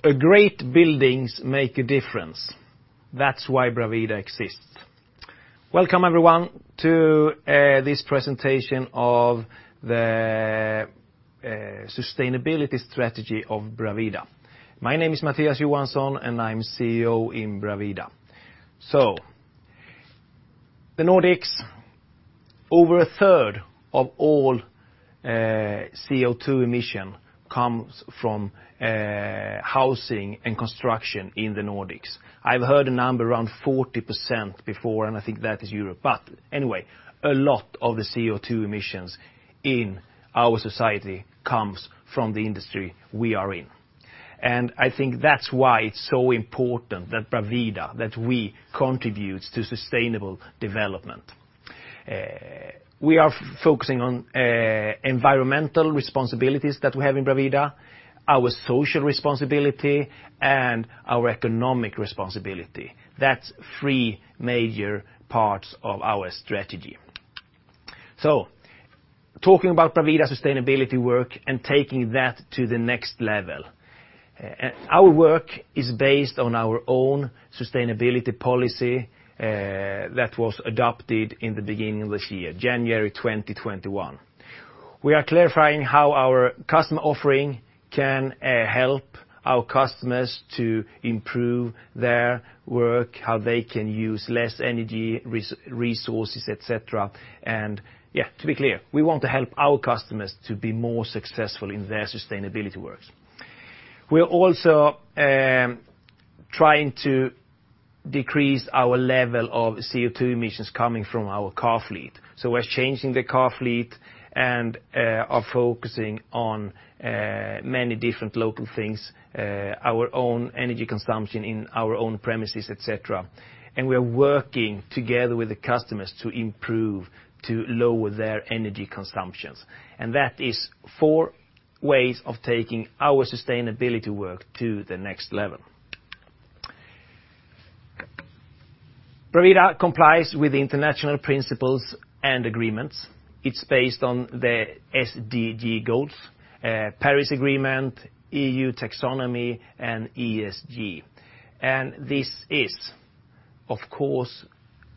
Great buildings make a difference. That's why Bravida exists. Welcome, everyone, to this presentation of the sustainability strategy of Bravida. My name is Mattias Johansson, and I'm CEO in Bravida, so the Nordics, over a third of all CO2 emission comes from housing and construction in the Nordics. I've heard a number around 40% before, and I think that is Europe, but anyway, a lot of the CO2 emissions in our society comes from the industry we are in. I think that's why it's so important that Bravida, that we contribute to sustainable development. We are focusing on environmental responsibilities that we have in Bravida, our social responsibility, and our economic responsibility. That's three major parts of our strategy. Talking about Bravida's sustainability work and taking that to the next level. Our work is based on our own sustainability policy that was adopted in the beginning of this year, January 2021. We are clarifying how our customer offering can help our customers to improve their work, how they can use less energy resources, etc. Yeah, to be clear, we want to help our customers to be more successful in their sustainability work. We are also trying to decrease our level of CO2 emissions coming from our car fleet. So we're changing the car fleet and are focusing on many different local things, our own energy consumption in our own premises, etc. And we are working together with the customers to improve, to lower their energy consumptions. And that is four ways of taking our sustainability work to the next level. Bravida complies with international principles and agreements. It's based on the SDG goals, Paris Agreement, EU Taxonomy, and ESG. And this is, of course,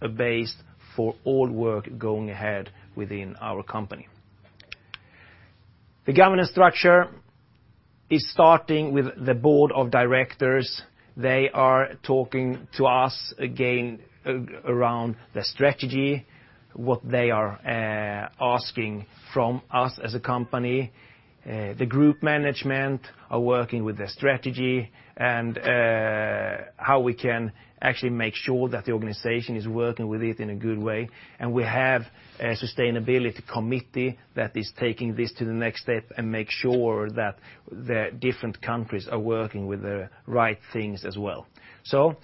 a base for all work going ahead within our company. The governance structure is starting with the board of directors. They are talking to us again around the strategy, what they are asking from us as a company. The group management are working with the strategy and how we can actually make sure that the organization is working with it in a good way. We have a sustainability committee that is taking this to the next step and makes sure that the different countries are working with the right things as well. So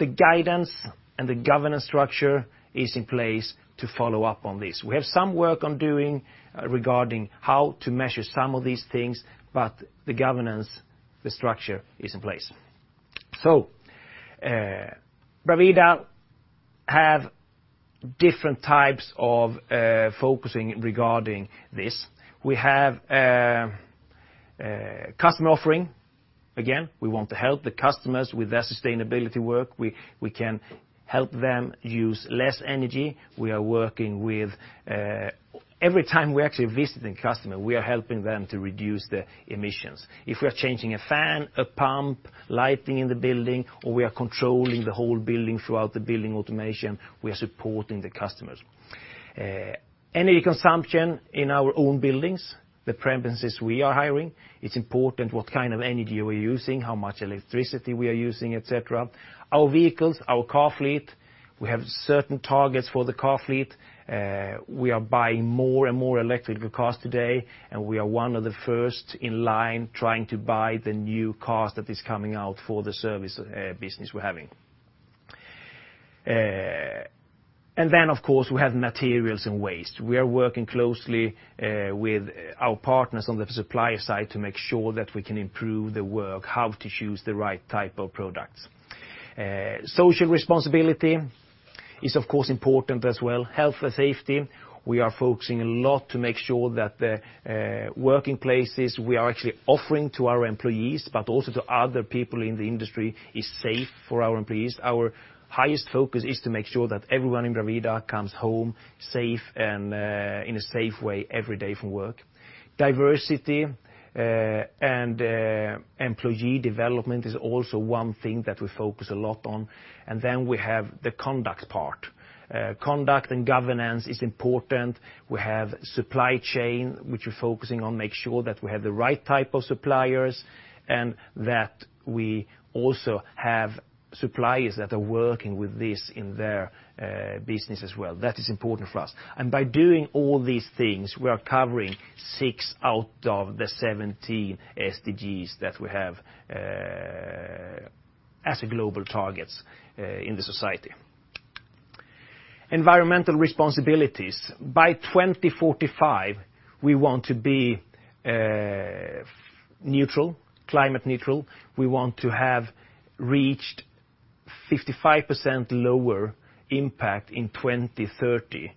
the guidance and the governance structure is in place to follow up on this. We have some work on doing regarding how to measure some of these things, but the governance, the structure is in place. So Bravida have different types of focusing regarding this. We have customer offering. Again, we want to help the customers with their sustainability work. We can help them use less energy. We are working with every time we're actually visiting customers, we are helping them to reduce the emissions. If we are changing a fan, a pump, lighting in the building, or we are controlling the whole building throughout the building automation, we are supporting the customers. Energy consumption in our own buildings, the premises we are hiring, it's important what kind of energy we're using, how much electricity we are using, etc. Our vehicles, our car fleet, we have certain targets for the car fleet. We are buying more and more electric cars today, and we are one of the first in line trying to buy the new cars that are coming out for the service business we're having. And then, of course, we have materials and waste. We are working closely with our partners on the supplier side to make sure that we can improve the work, how to choose the right type of products. Social responsibility is, of course, important as well. Health and safety. We are focusing a lot to make sure that the working places we are actually offering to our employees, but also to other people in the industry, are safe for our employees. Our highest focus is to make sure that everyone in Bravida comes home safe and in a safe way every day from work. Diversity and employee development is also one thing that we focus a lot on. And then we have the conduct part. Conduct and governance is important. We have supply chain, which we're focusing on, making sure that we have the right type of suppliers and that we also have suppliers that are working with this in their business as well. That is important for us. And by doing all these things, we are covering six out of the 17 SDGs that we have as global targets in the society. Environmental responsibilities. By 2045, we want to be climate neutral. We want to have reached 55% lower impact in 2030.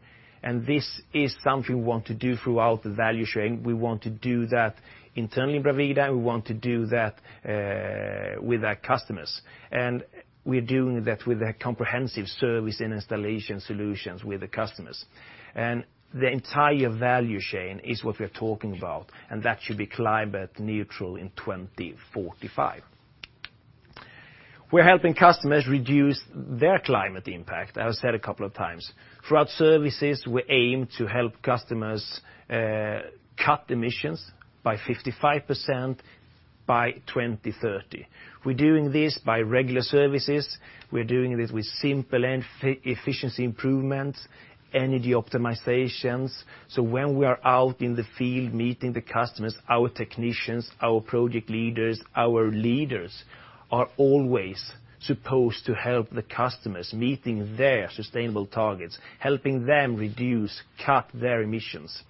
This is something we want to do throughout the value chain. We want to do that internally in Bravida, and we want to do that with our customers. We're doing that with a comprehensive service and installation solutions with the customers. The entire value chain is what we are talking about, and that should be climate neutral in 2045. We're helping customers reduce their climate impact, as I said a couple of times. Throughout services, we aim to help customers cut emissions by 55% by 2030. We're doing this by regular services. We're doing this with simple efficiency improvements, energy optimizations. When we are out in the field meeting the customers, our technicians, our project leaders, our leaders are always supposed to help the customers meeting their sustainable targets, helping them reduce, cut their emissions.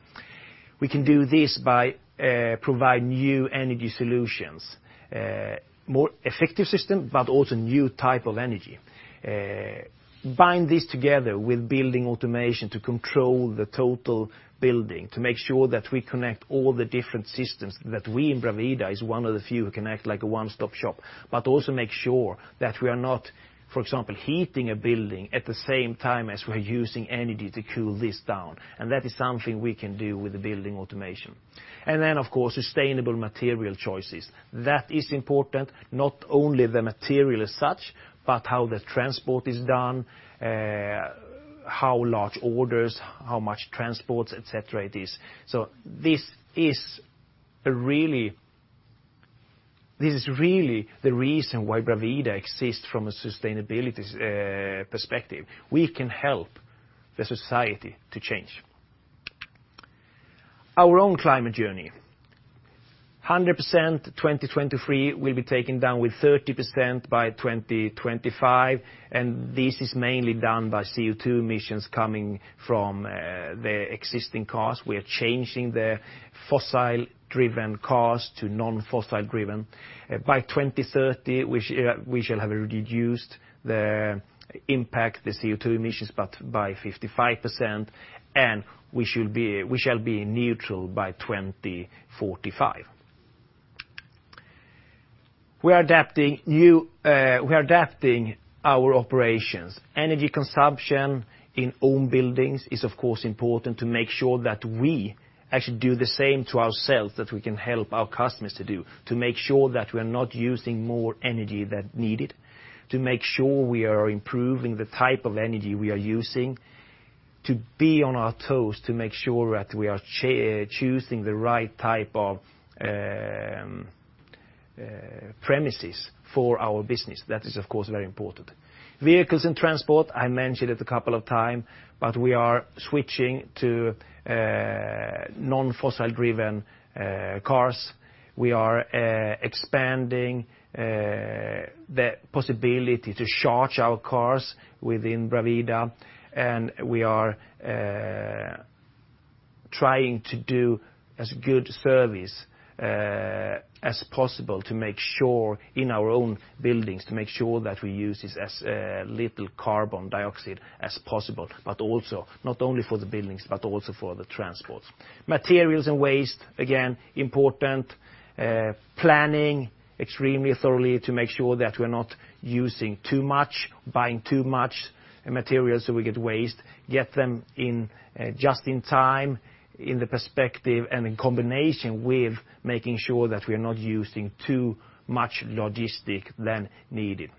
We can do this by providing new energy solutions, more effective systems, but also new types of energy. Bind this together with building automation to control the total building, to make sure that we connect all the different systems that we in Bravida are one of the few who can act like a one-stop shop, but also make sure that we are not, for example, heating a building at the same time as we're using energy to cool this down. And that is something we can do with the building automation. And then, of course, sustainable material choices. That is important, not only the material as such, but how the transport is done, how large orders, how much transports, etc. it is. So this is really the reason why Bravida exists from a sustainability perspective. We can help the society to change. Our own climate journey. 100% 2023 will be taken down with 30% by 2025, and this is mainly done by CO2 emissions coming from the existing cars. We are changing the fossil-driven cars to non-fossil-driven. By 2030, we shall have reduced the impact of the CO2 emissions, but by 55%, and we shall be neutral by 2045. We are adapting our operations. Energy consumption in own buildings is, of course, important to make sure that we actually do the same to ourselves that we can help our customers to do, to make sure that we are not using more energy than needed, to make sure we are improving the type of energy we are using, to be on our toes to make sure that we are choosing the right type of premises for our business. That is, of course, very important. Vehicles and transport, I mentioned it a couple of times, but we are switching to non-fossil-driven cars. We are expanding the possibility to charge our cars within Bravida, and we are trying to do as good service as possible to make sure in our own buildings to make sure that we use as little carbon dioxide as possible, but also not only for the buildings, but also for the transports. Materials and waste, again, important. Planning extremely thoroughly to make sure that we are not using too much, buying too much material so we get waste. Get them just in time, in the perspective, and in combination with making sure that we are not using too much logistics than needed,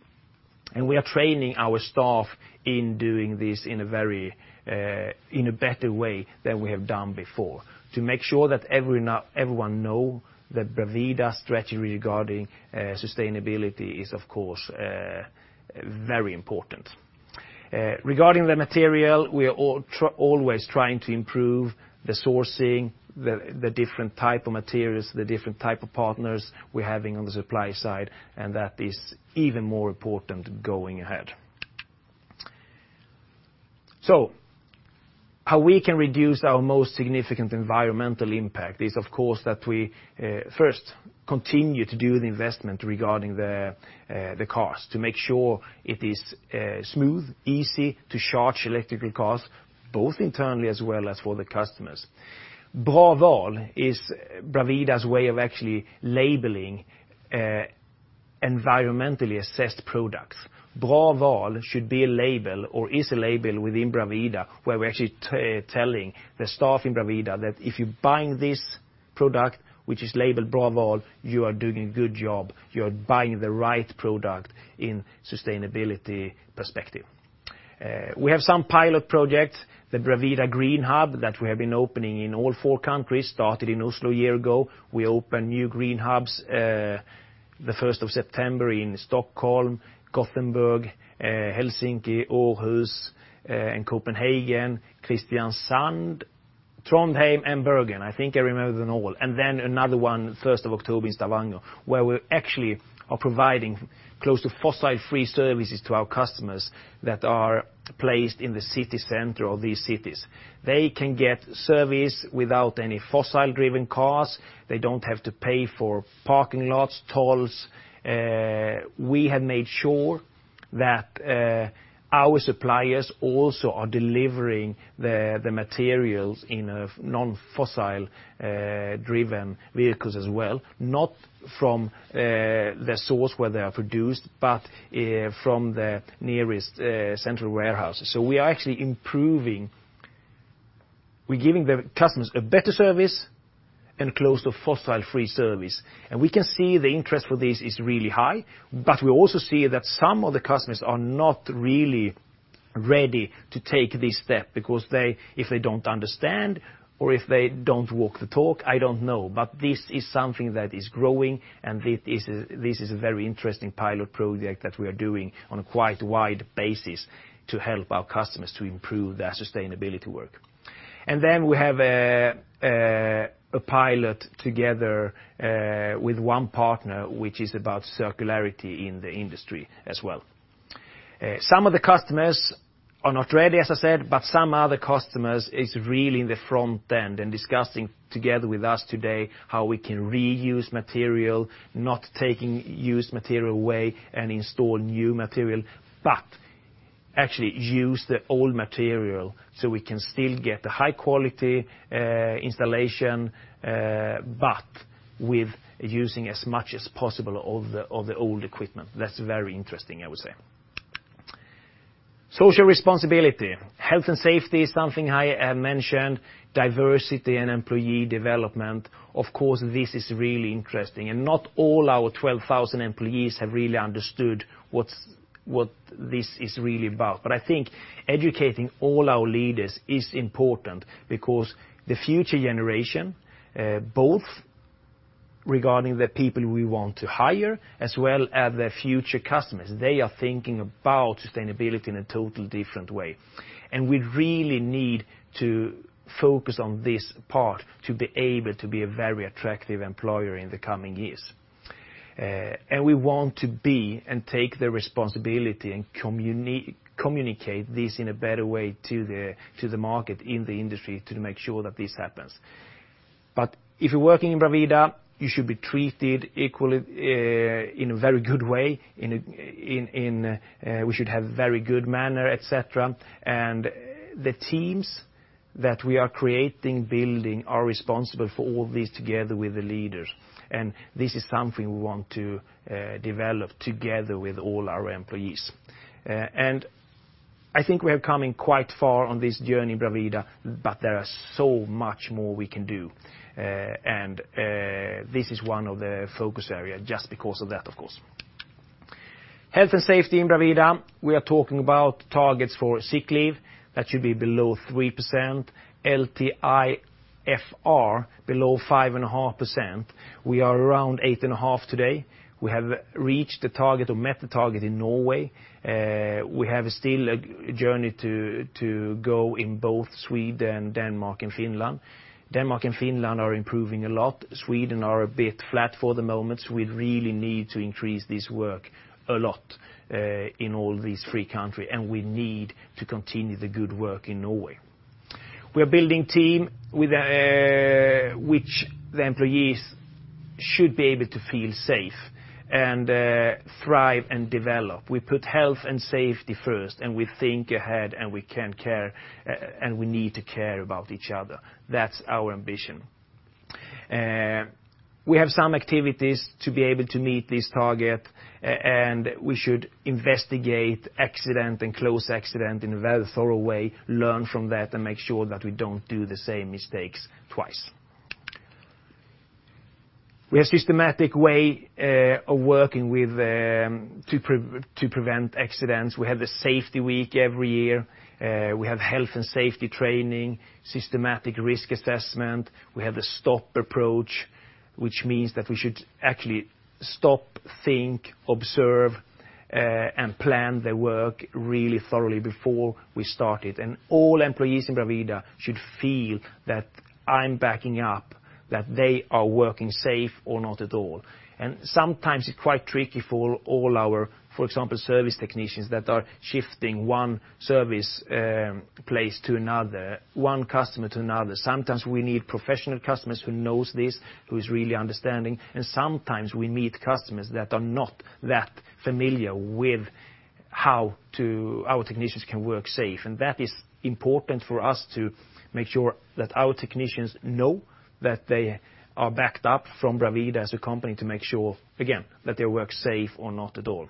and we are training our staff in doing this in a better way than we have done before to make sure that everyone knows that Bravida's strategy regarding sustainability is, of course, very important. Regarding the material, we are always trying to improve the sourcing, the different types of materials, the different types of partners we're having on the supply side, and that is even more important going ahead. So how we can reduce our most significant environmental impact is, of course, that we first continue to do the investment regarding the cars to make sure it is smooth, easy to charge electric cars, both internally as well as for the customers. Bravida is Bravida's way of actually labeling environmentally assessed products. Bravida should be a label or is a label within Bravida where we're actually telling the staff in Bravida that if you buy this product, which is labeled Bravida, you are doing a good job. You are buying the right product in a sustainability perspective. We have some pilot projects, the Bravida Green Hub that we have been opening in all four countries, started in Oslo a year ago. We opened new green hubs the 1st of September in Stockholm, Gothenburg, Helsinki, Aarhus, and Copenhagen, Kristiansand, Trondheim, and Bergen. I think I remember them all. Then another one, 1st of October in Stavanger, where we actually are providing close to fossil-free services to our customers that are placed in the city center of these cities. They can get service without any fossil-driven cars. They don't have to pay for parking lots, tolls. We have made sure that our suppliers also are delivering the materials in non-fossil-driven vehicles as well, not from the source where they are produced, but from the nearest central warehouse. So we are actually improving. We're giving the customers a better service and close to fossil-free service. And we can see the interest for this is really high, but we also see that some of the customers are not really ready to take this step because if they don't understand or if they don't walk the talk, I don't know. But this is something that is growing, and this is a very interesting pilot project that we are doing on a quite wide basis to help our customers to improve their sustainability work. And then we have a pilot together with one partner, which is about circularity in the industry as well. Some of the customers are not ready, as I said, but some other customers are really in the front end and discussing together with us today how we can reuse material, not taking used material away and install new material, but actually use the old material so we can still get a high-quality installation, but with using as much as possible of the old equipment. That's very interesting, I would say. Social responsibility. Health and safety is something I mentioned. Diversity and employee development. Of course, this is really interesting. Not all our 12,000 employees have really understood what this is really about. I think educating all our leaders is important because the future generation, both regarding the people we want to hire as well as the future customers, they are thinking about sustainability in a totally different way. We really need to focus on this part to be able to be a very attractive employer in the coming years. We want to be and take the responsibility and communicate this in a better way to the market in the industry to make sure that this happens. If you're working in Bravida, you should be treated equally in a very good way. We should have a very good manner, etc. The teams that we are creating, building, are responsible for all this together with the leaders. This is something we want to develop together with all our employees. I think we have come quite far on this journey in Bravida, but there is so much more we can do. This is one of the focus areas just because of that, of course. Health and safety in Bravida. We are talking about targets for sick leave that should be below 3%. LTIFR below 5.5%. We are around 8.5% today. We have reached the target or met the target in Norway. We have still a journey to go in both Sweden and Denmark and Finland. Denmark and Finland are improving a lot. Sweden is a bit flat for the moment. We really need to increase this work a lot in all these three countries, and we need to continue the good work in Norway. We are building a team which the employees should be able to feel safe and thrive and develop. We put health and safety first, and we think ahead, and we can care, and we need to care about each other. That's our ambition. We have some activities to be able to meet this target, and we should investigate accident and close accident in a very thorough way, learn from that, and make sure that we don't do the same mistakes twice. We have a systematic way of working to prevent accidents. We have a safety week every year. We have health and safety training, systematic risk assessment. We have a stop approach, which means that we should actually stop, think, observe, and plan the work really thoroughly before we start it. All employees in Bravida should feel that I'm backing up, that they are working safe or not at all. Sometimes it's quite tricky for all our, for example, service technicians that are shifting one service place to another, one customer to another. Sometimes we need professional customers who know this, who are really understanding. Sometimes we meet customers that are not that familiar with how our technicians can work safe. That is important for us to make sure that our technicians know that they are backed up from Bravida as a company to make sure, again, that they work safe or not at all.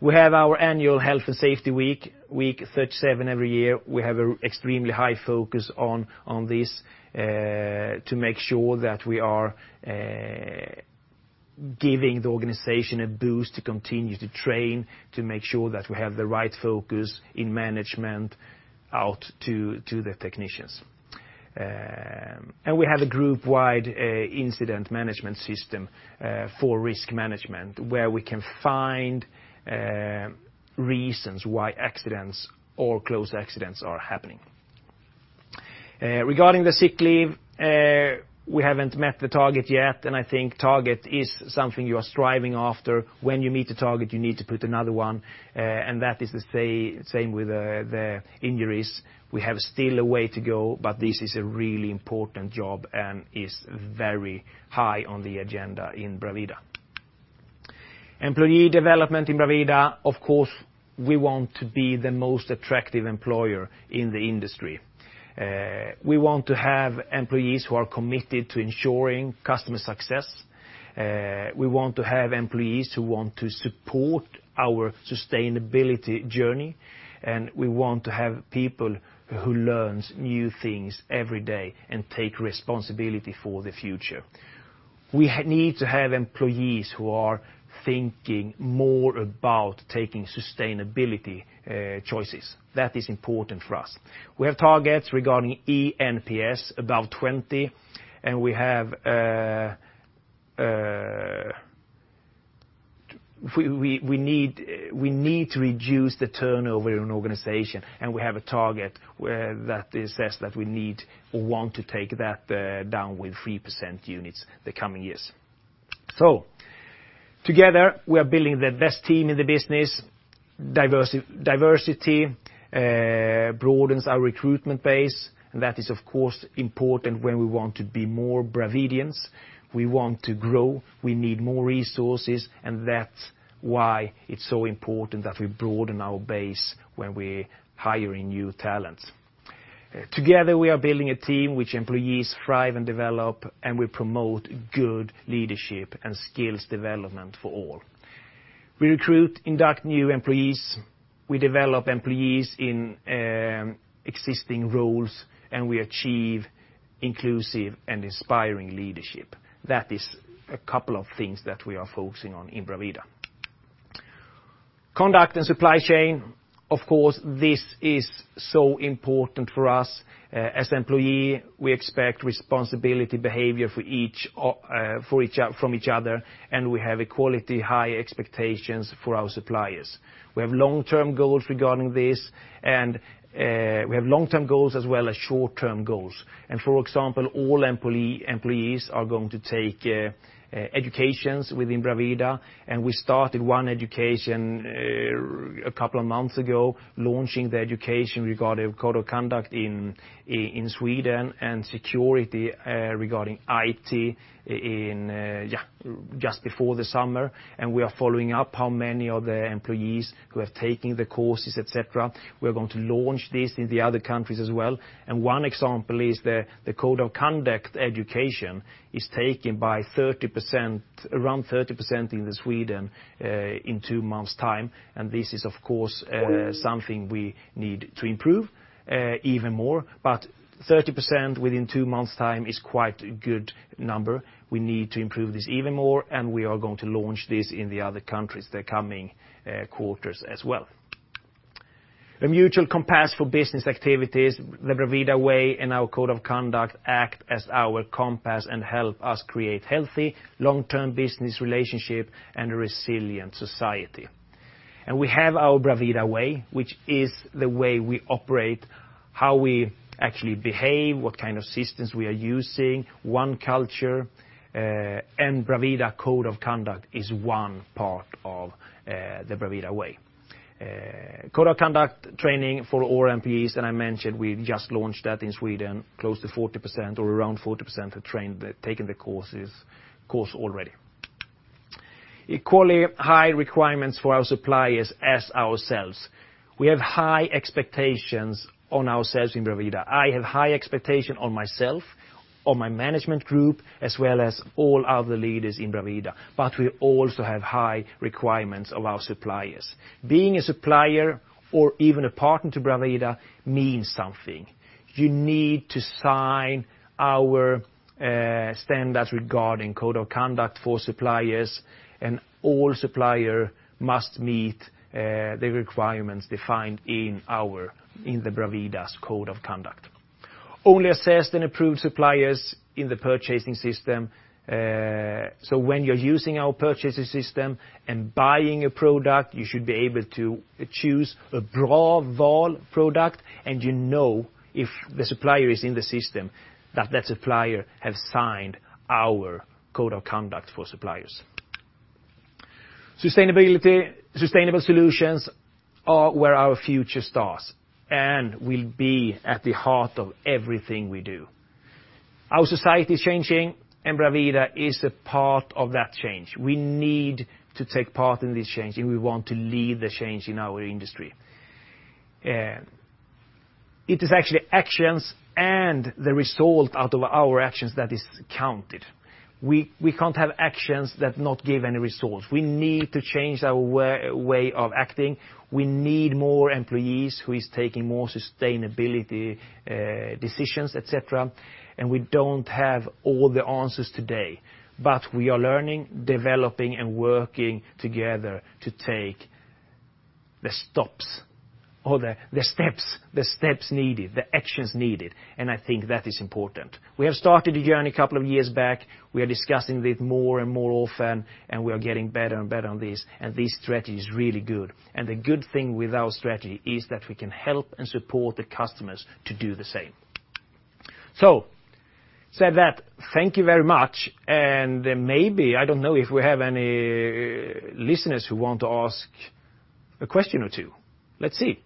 We have our annual health and safety week, week 37 every year. We have an extremely high focus on this to make sure that we are giving the organization a boost to continue to train, to make sure that we have the right focus in management out to the technicians. And we have a group-wide incident management system for risk management where we can find reasons why accidents or close accidents are happening. Regarding the sick leave, we haven't met the target yet, and I think target is something you are striving after. When you meet the target, you need to put another one. And that is the same with the injuries. We have still a way to go, but this is a really important job and is very high on the agenda in Bravida. Employee development in Bravida. Of course, we want to be the most attractive employer in the industry. We want to have employees who are committed to ensuring customer success. We want to have employees who want to support our sustainability journey, and we want to have people who learn new things every day and take responsibility for the future. We need to have employees who are thinking more about taking sustainability choices. That is important for us. We have targets regarding ENPS, above 20, and we need to reduce the turnover in an organization, and we have a target that says that we need or want to take that down with 3% units the coming years. So together, we are building the best team in the business. Diversity broadens our recruitment base, and that is, of course, important when we want to be more Bravidians. We want to grow. We need more resources, and that's why it's so important that we broaden our base when we're hiring new talents. Together, we are building a team which employees thrive and develop, and we promote good leadership and skills development for all. We recruit, induct new employees. We develop employees in existing roles, and we achieve inclusive and inspiring leadership. That is a couple of things that we are focusing on in Bravida. Conduct and supply chain. Of course, this is so important for us. As employees, we expect responsible behavior from each other, and we have equally high expectations for our suppliers. We have long-term goals regarding this, and we have long-term goals as well as short-term goals. And for example, all employees are going to take educations within Bravida, and we started one education a couple of months ago, launching the education regarding Code of Conduct in Sweden and security regarding IT just before the summer. And we are following up how many of the employees who have taken the courses, etc. We are going to launch this in the other countries as well. And one example is the Code of Conduct education is taken by around 30% in Sweden in two months' time. And this is, of course, something we need to improve even more. But 30% within two months' time is quite a good number. We need to improve this even more, and we are going to launch this in the other countries the coming quarters as well. A mutual compass for business activities. The Bravida Way and our Code of Conduct act as our compass and help us create a healthy, long-term business relationship and a resilient society, and we have our Bravida Way, which is the way we operate, how we actually behave, what kind of systems we are using, one culture, and Bravida Code of Conduct is one part of the Bravida Way. Code of Conduct training for all employees, and I mentioned we just launched that in Sweden. Close to 40% or around 40% have taken the course already. Equally high requirements for our suppliers as ourselves. We have high expectations on ourselves in Bravida. I have high expectations on myself, on my management group, as well as all other leaders in Bravida, but we also have high requirements of our suppliers. Being a supplier or even a partner to Bravida means something. You need to sign our standards regarding Code of Conduct for suppliers, and all suppliers must meet the requirements defined in Bravida's Code of Conduct. Only assessed and approved suppliers in the purchasing system. So when you're using our purchasing system and buying a product, you should be able to choose a broad product, and you know if the supplier is in the system that that supplier has signed our Code of Conduct for suppliers. Sustainable solutions are where our future starts and will be at the heart of everything we do. Our society is changing, and Bravida is a part of that change. We need to take part in this change, and we want to lead the change in our industry. It is actually actions and the result out of our actions that is counted. We can't have actions that do not give any results. We need to change our way of acting. We need more employees who are taking more sustainability decisions, etc., and we don't have all the answers today, but we are learning, developing, and working together to take the stops or the steps needed, the actions needed. And I think that is important. We have started the journey a couple of years back. We are discussing this more and more often, and we are getting better and better on this. And this strategy is really good. And the good thing with our strategy is that we can help and support the customers to do the same. So, with that said, thank you very much. And maybe I don't know if we have any listeners who want to ask a question or two. Let's see.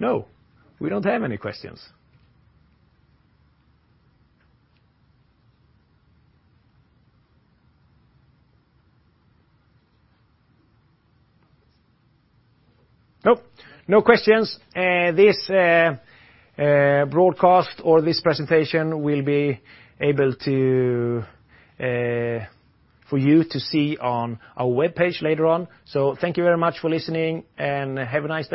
No, we don't have any questions. No, no questions. This broadcast or this presentation will be able for you to see on our web page later on. So thank you very much for listening, and have a nice.